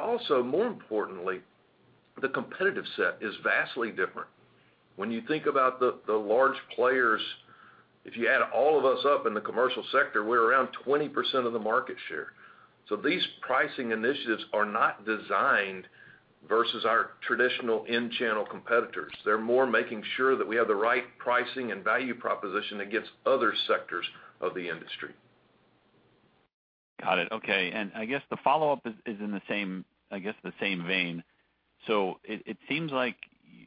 Also, more importantly, the competitive set is vastly different. When you think about the large players, if you add all of us up in the commercial sector, we're around 20% of the market share. These pricing initiatives are not designed versus our traditional in-channel competitors. They're more making sure that we have the right pricing and value proposition against other sectors of the industry. Got it. Okay. I guess the follow-up is in, I guess, the same vein. It seems like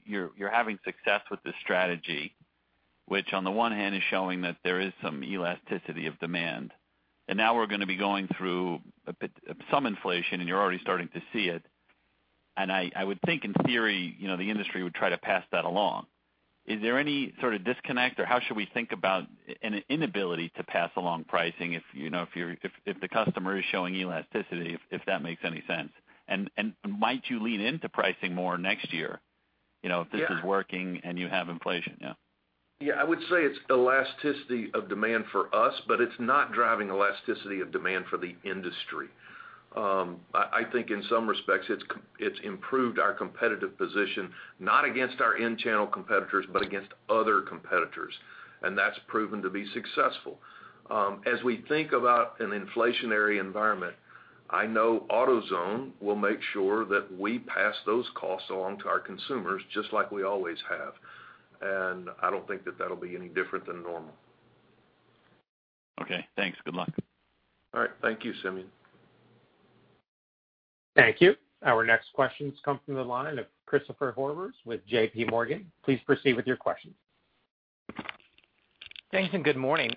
you're having success with the strategy, which on the one hand is showing that there is some elasticity of demand, and now we're going to be going through some inflation, and you're already starting to see it, and I would think in theory, the industry would try to pass that along. Is there any sort of disconnect? Or how should we think about an inability to pass along pricing if the customer is showing elasticity, if that makes any sense? Might you lean into pricing more next year if this is working and you have inflation? Yeah. Yeah, I would say it's elasticity of demand for us, but it's not driving elasticity of demand for the industry. I think in some respects, it's improved our competitive position, not against our end-channel competitors, but against other competitors, and that's proven to be successful. As we think about an inflationary environment, I know AutoZone will make sure that we pass those costs along to our consumers, just like we always have. I don't think that that'll be any different than normal. Okay, thanks. Good luck. All right. Thank you, Simeon. Thank you. Our next questions come from the line of Christopher Horvers with JPMorgan. Please proceed with your question. Thanks, and good morning.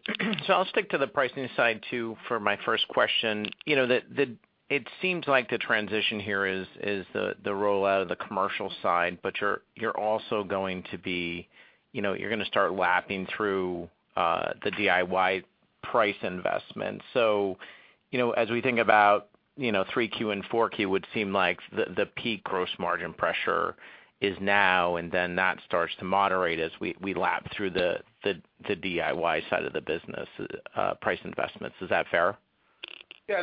I'll stick to the pricing side too for my first question. It seems like the transition here is the rollout of the commercial side, but you're going to start lapping through the DIY price investment. As we think about Q3 and Q4, it would seem like the peak gross margin pressure is now and then that starts to moderate as we lap through the DIY side of the business price investments. Is that fair? Yeah,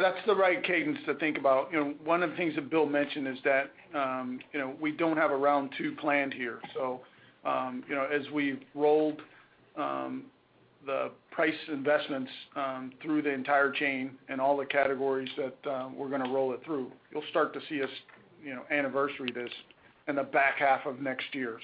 that's the right cadence to think about. One of the things that Bill mentioned is that we don't have a round two planned here. As we've rolled the price investments through the entire chain and all the categories that we're going to roll it through, you'll start to see us anniversary this in the back half of next year.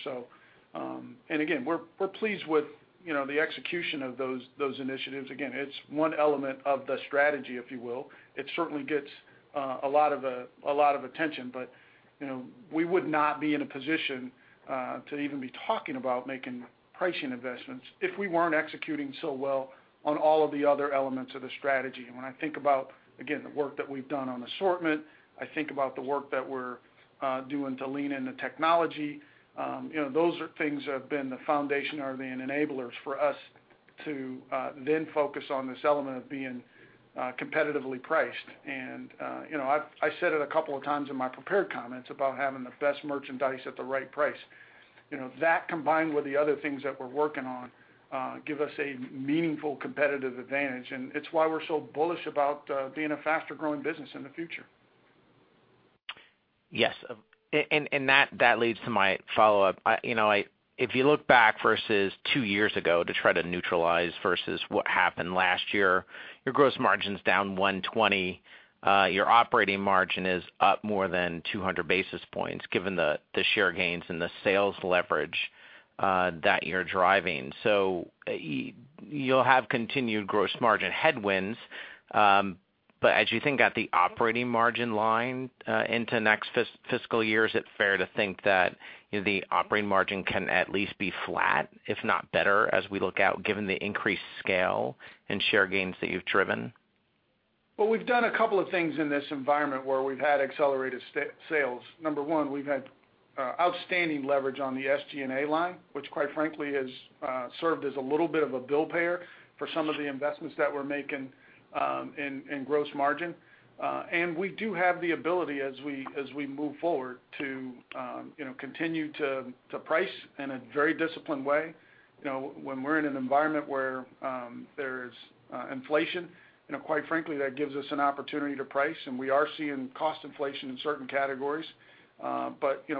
Again, we're pleased with the execution of those initiatives. Again, it's one element of the strategy, if you will. It certainly gets a lot of attention, but we would not be in a position to even be talking about making pricing investments if we weren't executing so well on all of the other elements of the strategy. When I think about, again, the work that we've done on assortment, I think about the work that we're doing to lean into technology. Those are things that have been the foundation or the enablers for us to then focus on this element of being competitively priced. I said it a couple of times in my prepared comments about having the best merchandise at the right price. That combined with the other things that we're working on gives us a meaningful competitive advantage, and it's why we're so bullish about being a faster-growing business in the future. Yes. That leads to my follow-up. If you look back versus two years ago to try to neutralize versus what happened last year, your gross margin's down 120. Your operating margin is up more than 200 basis points, given the share gains and the sales leverage that you're driving. You'll have continued gross margin headwinds, but as you think at the operating margin line into next fiscal year, is it fair to think that the operating margin can at least be flat, if not better, as we look out, given the increased scale and share gains that you've driven? Well, we've done a couple of things in this environment where we've had accelerated sales. Number one, we've had outstanding leverage on the SG&A line, which quite frankly has served as a little bit of a bill payer for some of the investments that we're making in gross margin. We do have the ability as we move forward to continue to price in a very disciplined way. When we're in an environment where there's inflation, quite frankly, that gives us an opportunity to price, and we are seeing cost inflation in certain categories.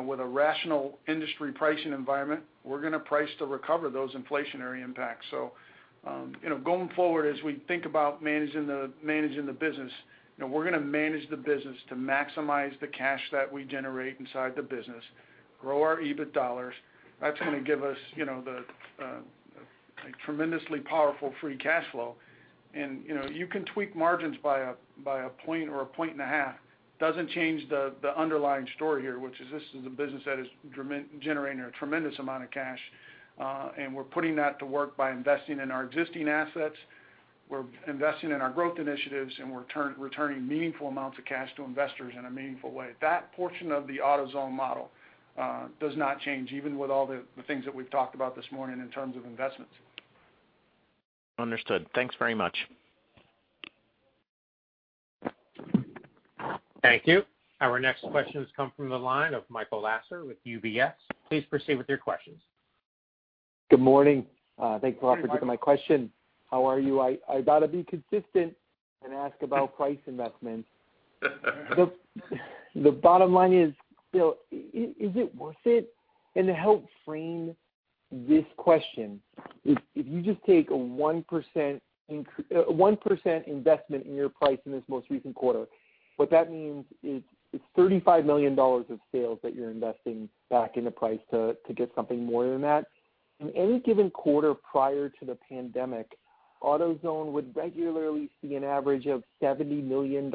With a rational industry pricing environment, we're going to price to recover those inflationary impacts. Going forward, as we think about managing the business, we're going to manage the business to maximize the cash that we generate inside the business, grow our EBIT dollars. That's going to give us a tremendously powerful free cash flow. You can tweak margins by a point or a point and a half. Doesn't change the underlying story here, which is this is a business that is generating a tremendous amount of cash, and we're putting that to work by investing in our existing assets. We're investing in our growth initiatives, and we're returning meaningful amounts of cash to investors in a meaningful way. That portion of the AutoZone model does not change, even with all the things that we've talked about this morning in terms of investments. Understood. Thanks very much. Thank you. Our next questions come from the line of Michael Lasser with UBS. Please proceed with your questions. Good morning. Thanks a lot for taking my question. How are you? I got to be consistent and ask about price investment. The bottom line is, Bill, is it worth it? To help frame this question, if you just take a 1% investment in your price in this most recent quarter, what that means is it's $35 million of sales that you're investing back into price to get something more than that. In any given quarter prior to the pandemic, AutoZone would regularly see an average of $70 million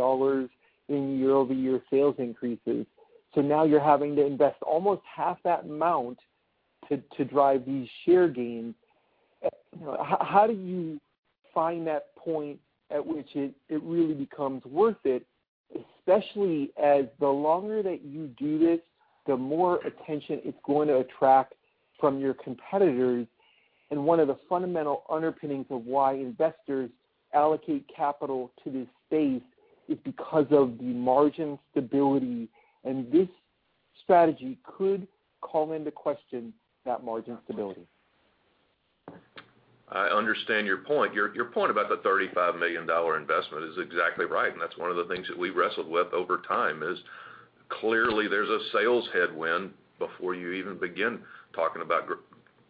in year-over-year sales increases. Now you're having to invest almost half that amount to drive these share gains. How do you find that point at which it really becomes worth it, especially as the longer that you do this, the more attention it's going to attract from your competitors? One of the fundamental underpinnings of why investors allocate capital to this space is because of the margin stability, and this strategy could call into question that margin stability. I understand your point. Your point about the $35 million investment is exactly right, and that's one of the things that we wrestled with over time, is clearly there's a sales headwind before you even begin talking about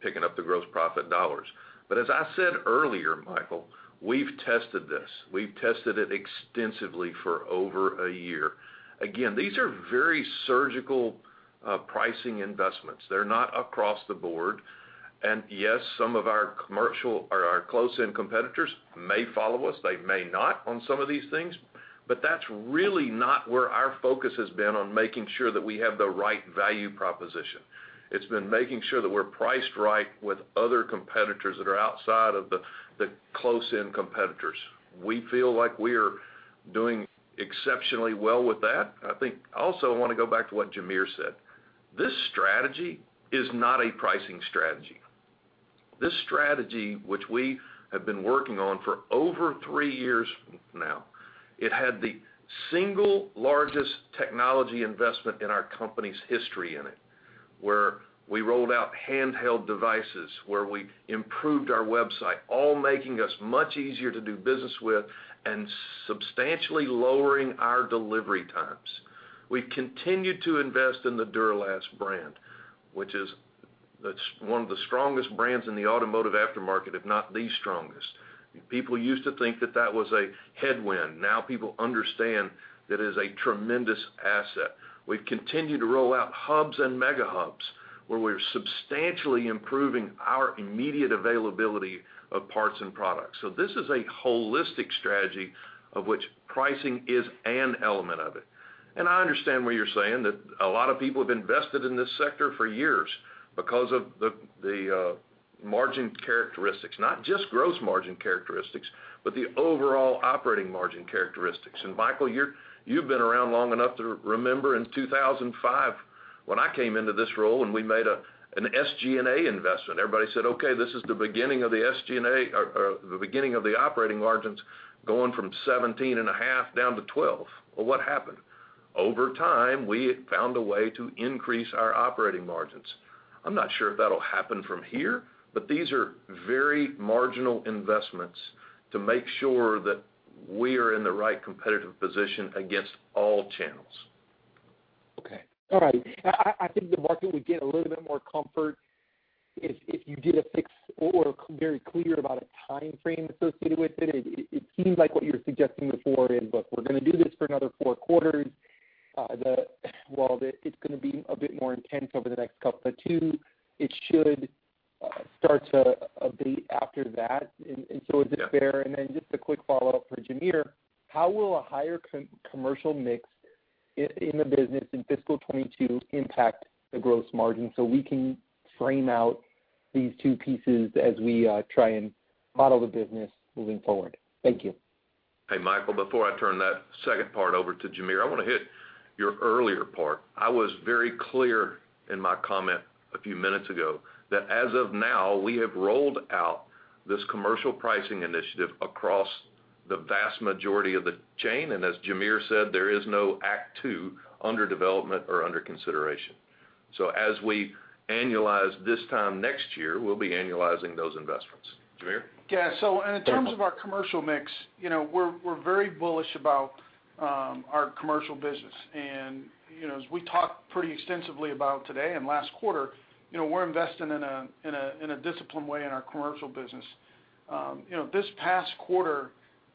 picking up the gross profit dollars. As I said earlier, Michael, we've tested this. We've tested it extensively for over a year. Again, these are very surgical pricing investments. They're not across the board. Yes, some of our close-in competitors may follow us. They may not on some of these things, but that's really not where our focus has been on making sure that we have the right value proposition. It's been making sure that we're priced right with other competitors that are outside of the close-in competitors. We feel like we're doing exceptionally well with that. I think I also want to go back to what Jamere said. This strategy is not a pricing strategy. This strategy, which we have been working on for over three years now, it had the single largest technology investment in our company's history in it, where we rolled out handheld devices, where we improved our website, all making us much easier to do business with and substantially lowering our delivery times. We've continued to invest in the Duralast brand, which is one of the strongest brands in the automotive aftermarket, if not the strongest. People used to think that that was a headwind. Now people understand that it is a tremendous asset. We've continued to roll out hubs and mega hubs where we're substantially improving our immediate availability of parts and products. This is a holistic strategy of which pricing is an element of it. I understand what you're saying, that a lot of people have invested in this sector for years because of the margin characteristics. Not just gross margin characteristics, but the overall operating margin characteristics. Michael, you've been around long enough to remember in 2005, when I came into this role and we made an SG&A investment, everybody said, "Okay, this is the beginning of the operating margins going from 17.5% down to 12%." What happened? Over time, we found a way to increase our operating margins. I'm not sure if that'll happen from here, but these are very marginal investments to make sure that we are in the right competitive position against all channels. Okay. All right. I think the market would get a little bit more comfort if you did a fixed or very clear about a time frame associated with it. It seems like what you're suggesting before is, look, we're going to do this for another four quarters. While it's going to be a bit more intense over the next couple of two, it should start to abate after that. Is it fair? Just a quick follow-up for Jamere, how will a higher commercial mix in the business in fiscal 2022 impact the gross margin so we can frame out these two pieces as we try and model the business moving forward? Thank you. Hey, Michael, before I turn that second part over to Jamere, I want to hit your earlier part. I was very clear in my comment a few minutes ago that as of now, we have rolled out this commercial pricing initiative across the vast majority of the chain, and as Jamere said, there is no act two under development or under consideration. As we annualize this time next year, we'll be annualizing those investments. Jamere? Yeah. In terms of our commercial mix, we're very bullish about our commercial business. As we talked pretty extensively about today and last quarter, we're investing in a disciplined way in our commercial business. This past quarter,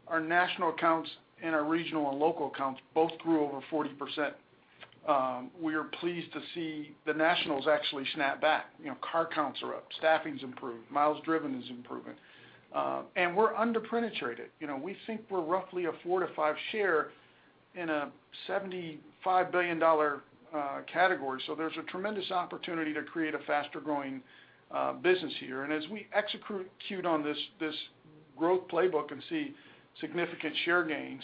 our national accounts and our regional and local accounts both grew over 40%. We are pleased to see the nationals actually snap back. Car counts are up, staffing's improved, miles driven is improving. We're under-penetrated. We think we're roughly a four to five share in a $75 billion category. There's a tremendous opportunity to create a faster-growing business here. As we execute on this growth playbook and see significant share gains,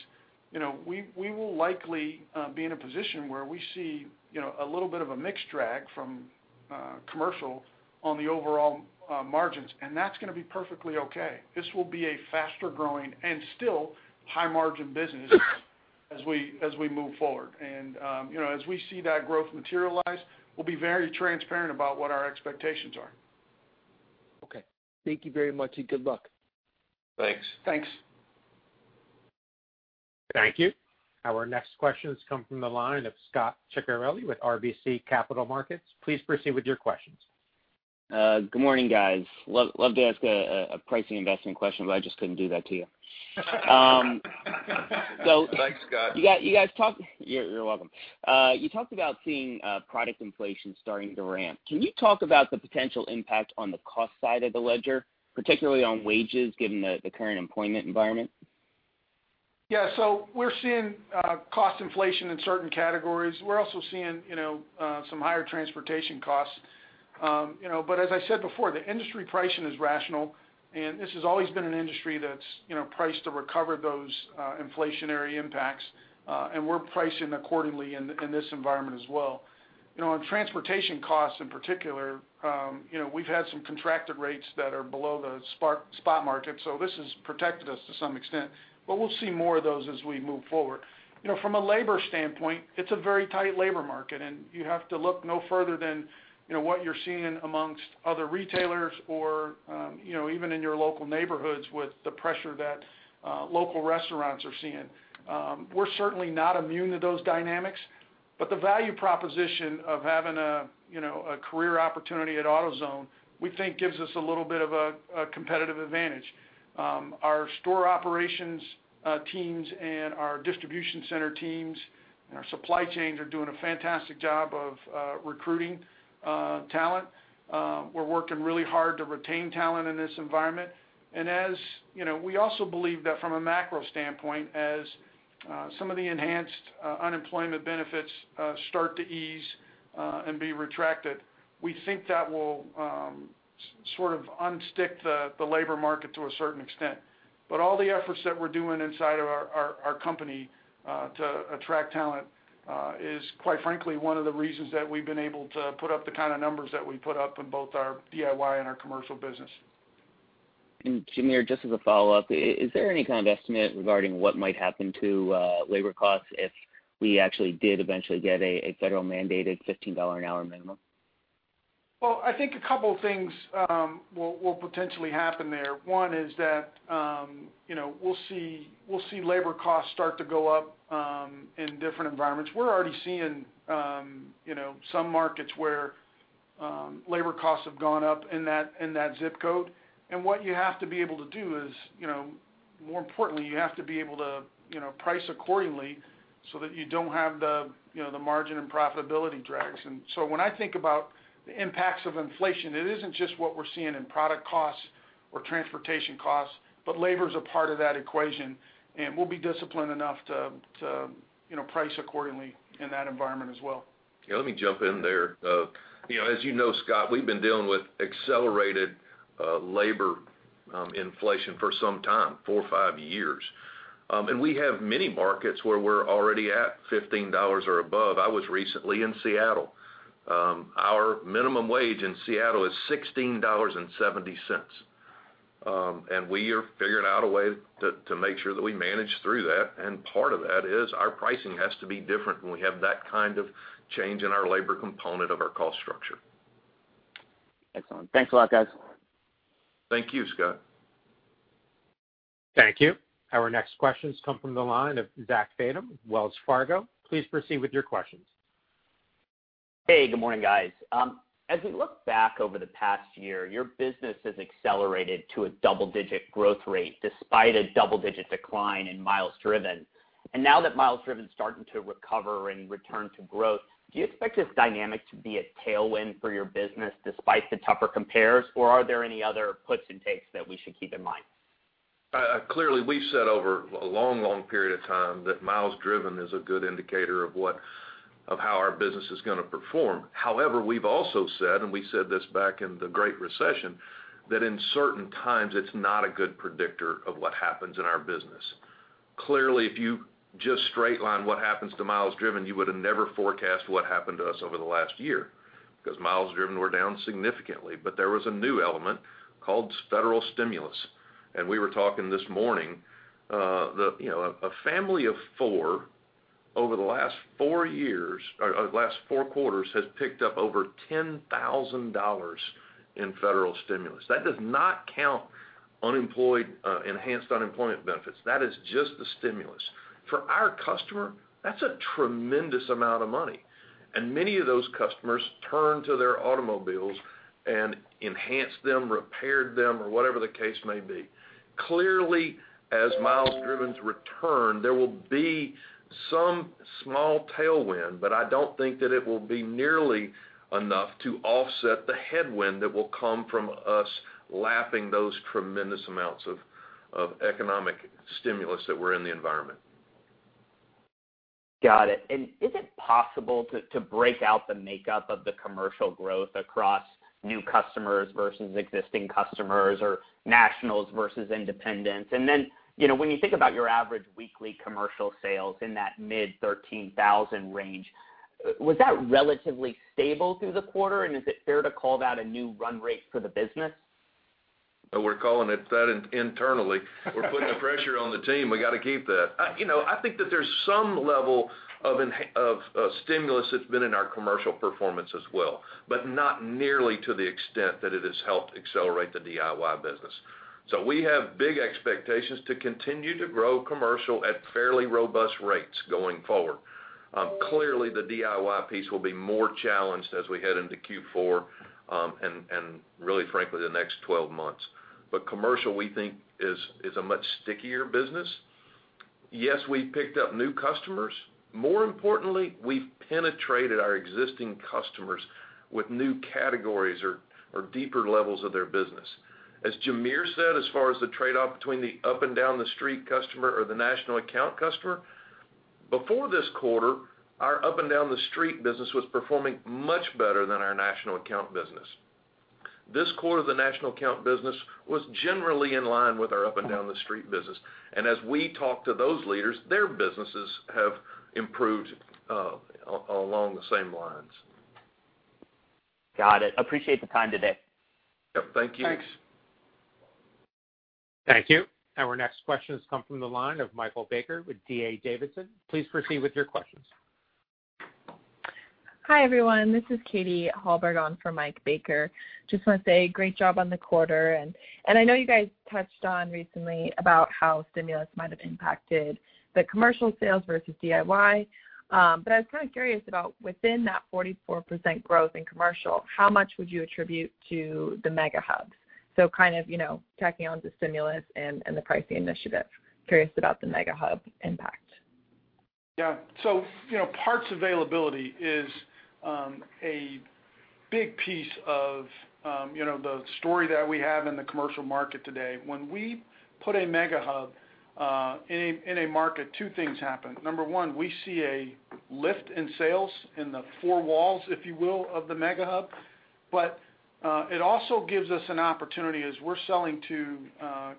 we will likely be in a position where we see a little bit of a mix drag from commercial on the overall margins, and that's going to be perfectly okay. This will be a faster-growing and still high-margin business as we move forward. As we see that growth materialize, we'll be very transparent about what our expectations are. Okay. Thank you very much, and good luck. Thanks. Thanks. Thank you. Our next question comes from the line of Scot Ciccarelli with RBC Capital Markets. Please proceed with your questions. Good morning, guys. Love to ask a pricing investment question, but I just couldn't do that to you. Thanks, Scot. You're welcome. You talked about seeing product inflation starting to ramp. Can you talk about the potential impact on the cost side of the ledger, particularly on wages, given the current employment environment? Yeah. We're seeing cost inflation in certain categories. We're also seeing some higher transportation costs. As I said before, the industry pricing is rational, and this has always been an industry that's priced to recover those inflationary impacts. We're pricing accordingly in this environment as well. On transportation costs in particular, we've had some contracted rates that are below the spot market, so this has protected us to some extent, but we'll see more of those as we move forward. From a labor standpoint, it's a very tight labor market, and you have to look no further than what you're seeing amongst other retailers or even in your local neighborhoods with the pressure that local restaurants are seeing. We're certainly not immune to those dynamics, but the value proposition of having a career opportunity at AutoZone, we think gives us a little bit of a competitive advantage. Our store operations teams and our distribution center teams and our supply chains are doing a fantastic job of recruiting talent. We're working really hard to retain talent in this environment. We also believe that from a macro standpoint, as some of the enhanced unemployment benefits start to ease and be retracted, we think that will sort of unstick the labor market to a certain extent. All the efforts that we're doing inside of our company to attract talent is, quite frankly, one of the reasons that we've been able to put up the kind of numbers that we put up in both our DIY and our commercial business. Jamere, just as a follow-up, is there any kind of estimate regarding what might happen to labor costs if we actually did eventually get a federal mandated $15 an hour minimum? Well, I think a couple things will potentially happen there. One is that we'll see labor costs start to go up in different environments. We're already seeing some markets where labor costs have gone up in that ZIP code. What you have to be able to do is, more importantly, you have to be able to price accordingly so that you don't have the margin and profitability drags. When I think about the impacts of inflation, it isn't just what we're seeing in product costs or transportation costs, but labor is a part of that equation, and we'll be disciplined enough to price accordingly in that environment as well. Yeah, let me jump in there. As you know, Scot, we've been dealing with accelerated labor inflation for some time, four or five years. We have many markets where we're already at $15 or above. I was recently in Seattle. Our minimum wage in Seattle is $16.70. We have figured out a way to make sure that we manage through that, and part of that is our pricing has to be different when we have that kind of change in our labor component of our cost structure. Excellent. Thanks a lot, guys. Thank you, Scot. Thank you. Our next question comes from the line of Zachary Fadem, Wells Fargo. Please proceed with your questions. Hey, good morning, guys. As we look back over the past year, your business has accelerated to a double-digit growth rate despite a double-digit decline in miles driven. Now that miles driven is starting to recover and return to growth, do you expect this dynamic to be a tailwind for your business despite the tougher compares? Are there any other puts and takes that we should keep in mind? Clearly, we've said over a long period of time that miles driven is a good indicator of how our business is going to perform. However, we've also said, and we said this back in the Great Recession, that in certain times it's not a good predictor of what happens in our business. Clearly, if you just straight line what happens to miles driven, you would have never forecast what happened to us over the last year because miles driven were down significantly. There was a new element called federal stimulus, and we were talking this morning, a family of four, over the last four quarters, has picked up over $10,000 in federal stimulus. That does not count enhanced unemployment benefits. That is just the stimulus. For our customer, that's a tremendous amount of money. Many of those customers turn to their automobiles and enhanced them, repaired them, or whatever the case may be. Clearly, as miles driven's return, there will be some small tailwind, but I don't think that it will be nearly enough to offset the headwind that will come from us lapping those tremendous amounts of economic stimulus that were in the environment. Got it. Is it possible to break out the makeup of the commercial growth across new customers versus existing customers or nationals versus independents? When you think about your average weekly commercial sales in that mid 13,000 range, was that relatively stable through the quarter? Is it fair to call that a new run rate for the business? We're calling it Fed internally. We're putting pressure on the team. We got to keep that. I think that there's some level of stimulus that's been in our commercial performance as well, but not nearly to the extent that it has helped accelerate the DIY business. We have big expectations to continue to grow commercial at fairly robust rates going forward. Clearly, the DIY piece will be more challenged as we head into Q4, and really frankly, the next 12 months. Commercial, we think, is a much stickier business. Yes, we've picked up new customers. More importantly, we've penetrated our existing customers with new categories or deeper levels of their business. As Jamere said, as far as the trade-off between the up and down the street customer or the national account customer, before this quarter, our up and down the street business was performing much better than our national account business. This quarter, the national account business was generally in line with our up and down the street business. As we talk to those leaders, their businesses have improved along the same lines. Got it. Appreciate the time today. Yep, thank you. Thanks. Thank you. Our next question has come from the line of Michael Baker with D.A. Davidson. Please proceed with your questions. Hi, everyone. This is Kate McShane for Michael Baker. Just want to say great job on the quarter, and I know you guys touched on recently about how stimulus might have impacted the commercial sales versus DIY, but I was kind of curious about within that 44% growth in commercial, how much would you attribute to the mega hubs? Kind of checking on the stimulus and the pricing initiative. Curious about the mega hub impact. Yeah. Parts availability is a big piece of the story that we have in the commercial market today. When we put a mega hub in a market, two things happen. Number one, we see a lift in sales in the four walls, if you will, of the mega hub. It also gives us an opportunity as we're selling to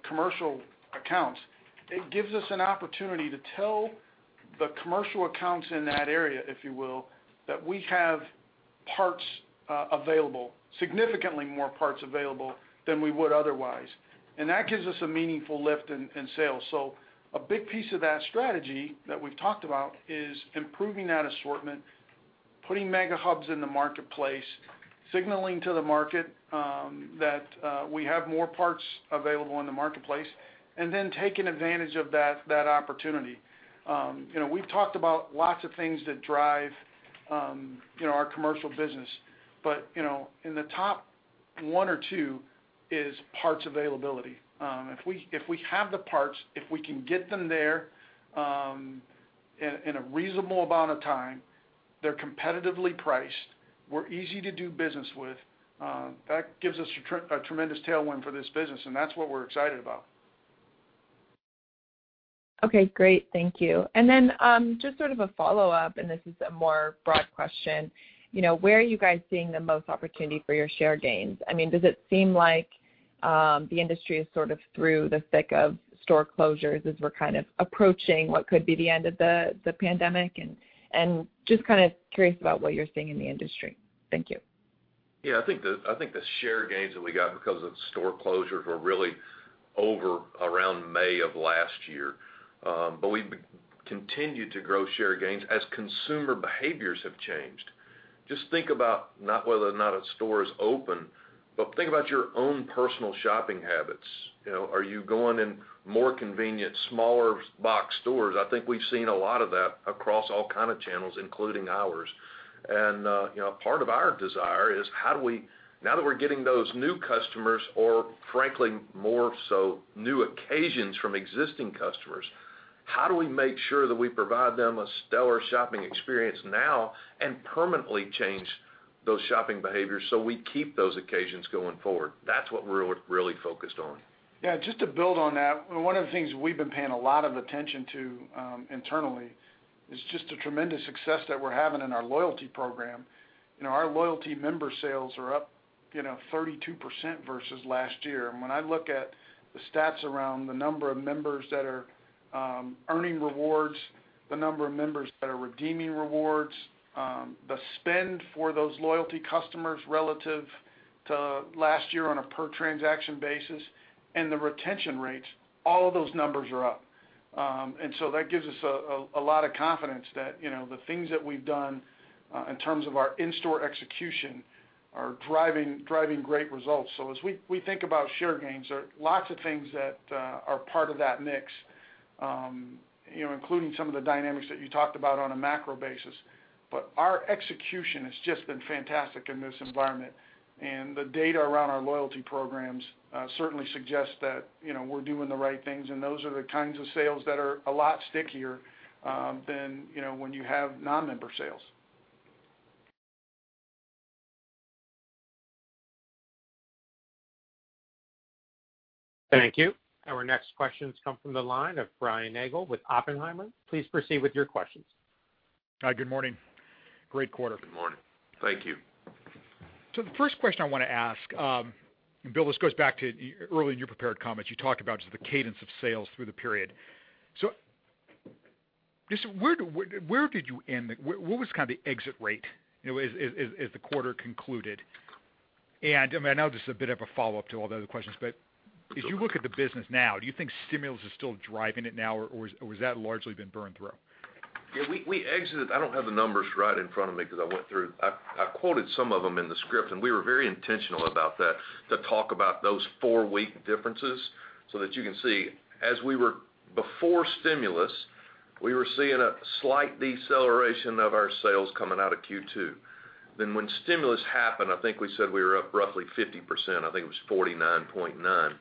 commercial accounts. It gives us an opportunity to tell the commercial accounts in that area, if you will, that we have parts available, significantly more parts available than we would otherwise. That gives us a meaningful lift in sales. A big piece of that strategy that we talked about is improving that assortment, putting mega hubs in the marketplace, signaling to the market that we have more parts available in the marketplace, and then taking advantage of that opportunity. We've talked about lots of things that drive our commercial business, but in the top one or two is parts availability. If we have the parts, if we can get them there in a reasonable amount of time, they're competitively priced, we're easy to do business with, that gives us a tremendous tailwind for this business, and that's what we're excited about. Okay, great. Thank you. Just sort of a follow-up, and this is a more broad question. Where are you guys seeing the most opportunity for your share gains? Does it seem like the industry is sort of through the thick of store closures as we're kind of approaching what could be the end of the pandemic, and just kind of curious about what you're seeing in the industry. Thank you. Yeah, I think the share gains that we got because of store closures were really over around May of last year. We've continued to grow share gains as consumer behaviors have changed. Just think about not whether or not a store is open, but think about your own personal shopping habits. Are you going in more convenient, smaller box stores? I think we've seen a lot of that across all kind of channels, including ours. Part of our desire is now that we're getting those new customers or frankly, more so new occasions from existing customers, how do we make sure that we provide them a stellar shopping experience now and permanently change those shopping behaviors so we keep those occasions going forward? That's what we're really focused on. Just to build on that, one of the things we've been paying a lot of attention to internally is just the tremendous success that we're having in our loyalty program. Our loyalty member sales are up 32% versus last year. When I look at the stats around the number of members that are earning rewards, the number of members that are redeeming rewards, the spend for those loyalty customers relative to last year on a per transaction basis, and the retention rates, all of those numbers are up. That gives us a lot of confidence that the things that we've done in terms of our in-store execution are driving great results. As we think about share gains, there are lots of things that are part of that mix, including some of the dynamics that you talked about on a macro basis. Our execution has just been fantastic in this environment, and the data around our loyalty programs certainly suggests that we're doing the right things, and those are the kinds of sales that are a lot stickier than when you have non-member sales. Thank you. Our next question comes from the line of Brian Nagel with Oppenheimer. Please proceed with your questions. Hi, good morning. Great quarter. Good morning. Thank you. The first question I want to ask, Bill, this goes back to earlier your prepared comments. You talked about the cadence of sales through the period. Where did you end? What was the exit rate as the quarter concluded? I know this is a bit of a follow-up to all the other questions, but as you look at the business now, do you think stimulus is still driving it now, or has that largely been burned through? We exited. I don't have the numbers right in front of me because I quoted some of them in the script, we were very intentional about that, to talk about those four-week differences so that you can see. Before stimulus, we were seeing a slight deceleration of our sales coming out of Q2. When stimulus happened, I think we said we were up roughly 50%. I think it was 49.9.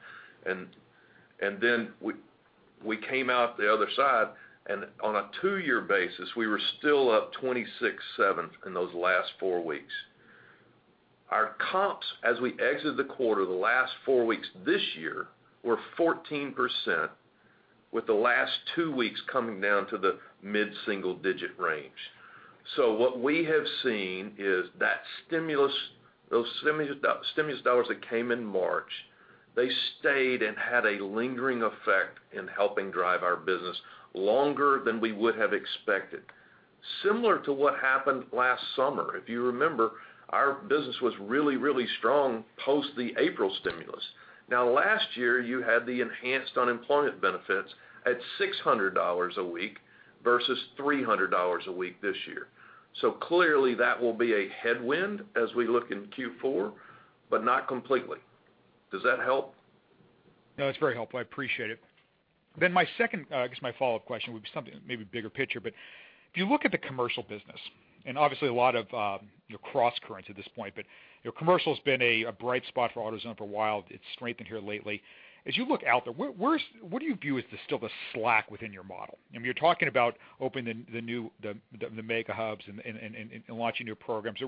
We came out the other side, on a two-year basis, we were still up 26.7 in those last four weeks. Our comps, as we exited the quarter, the last four weeks this year were 14%, with the last two weeks coming down to the mid-single-digit range. What we have seen is that stimulus, those stimulus dollars that came in March, they stayed and had a lingering effect in helping drive our business longer than we would have expected. Similar to what happened last summer. If you remember, our business was really strong post the April stimulus. Last year, you had the enhanced unemployment benefits at $600 a week versus $300 a week this year. Clearly, that will be a headwind as we look into Q4, but not completely. Does that help? No, that's very helpful. I appreciate it. My second, I guess my follow-up question would be something maybe bigger picture, but if you look at the commercial business, and obviously a lot of your crosscurrents at this point, but commercial's been a bright spot for AutoZone for a while. It's strengthened here lately. As you look out there, what do you view as still the slack within your model? You're talking about opening the Mega Hubs and launching new programs.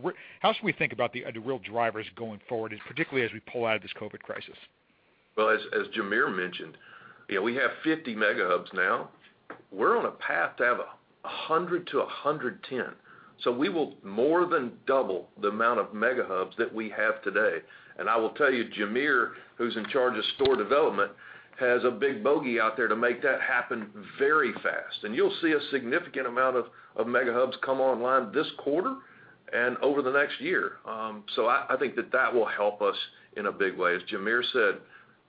How should we think about the real drivers going forward, particularly as we pull out of this COVID-19 crisis? As Jamere mentioned, we have 50 mega hubs now. We're on a path to have 100-110. We will more than double the amount of mega hubs that we have today. I will tell you, Jamere, who's in charge of store development, has a big bogey out there to make that happen very fast. You'll see a significant amount of mega hubs come online this quarter and over the next year. I think that that will help us in a big way. As Jamere said,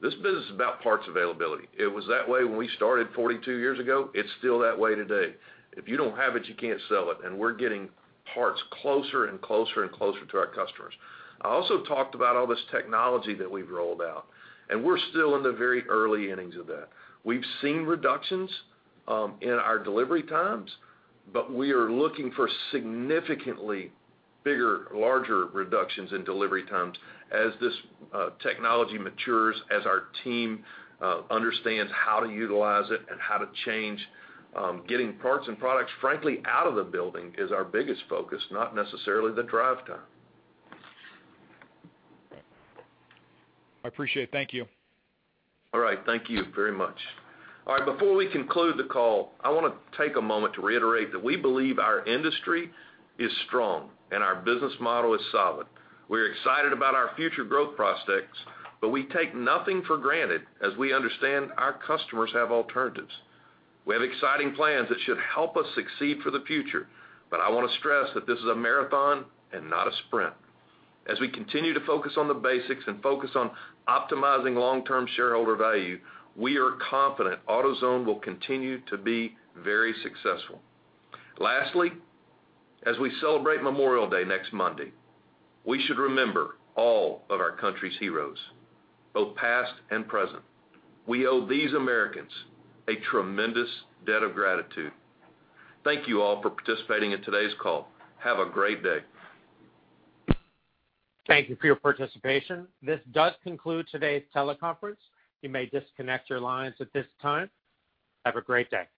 this business is about parts availability. It was that way when we started 42 years ago. It's still that way today. If you don't have it, you can't sell it, and we're getting parts closer and closer to our customers. I also talked about all this technology that we've rolled out, and we're still in the very early innings of that. We've seen reductions in our delivery times, but we are looking for significantly bigger, larger reductions in delivery times as this technology matures, as our team understands how to utilize it and how to change. Getting parts and products, frankly, out of the building is our biggest focus, not necessarily the drive time. I appreciate it. Thank you. All right. Thank you very much. All right. Before we conclude the call, I want to take a moment to reiterate that we believe our industry is strong and our business model is solid. We're excited about our future growth prospects, but we take nothing for granted as we understand our customers have alternatives. We have exciting plans that should help us succeed for the future, but I want to stress that this is a marathon and not a sprint. As we continue to focus on the basics and focus on optimizing long-term shareholder value, we are confident AutoZone will continue to be very successful. Lastly, as we celebrate Memorial Day next Monday, we should remember all of our country's heroes, both past and present. We owe these Americans a tremendous debt of gratitude. Thank you all for participating in today's call. Have a great day. Thank you for your participation. This does conclude today's teleconference. You may disconnect your lines at this time. Have a great day.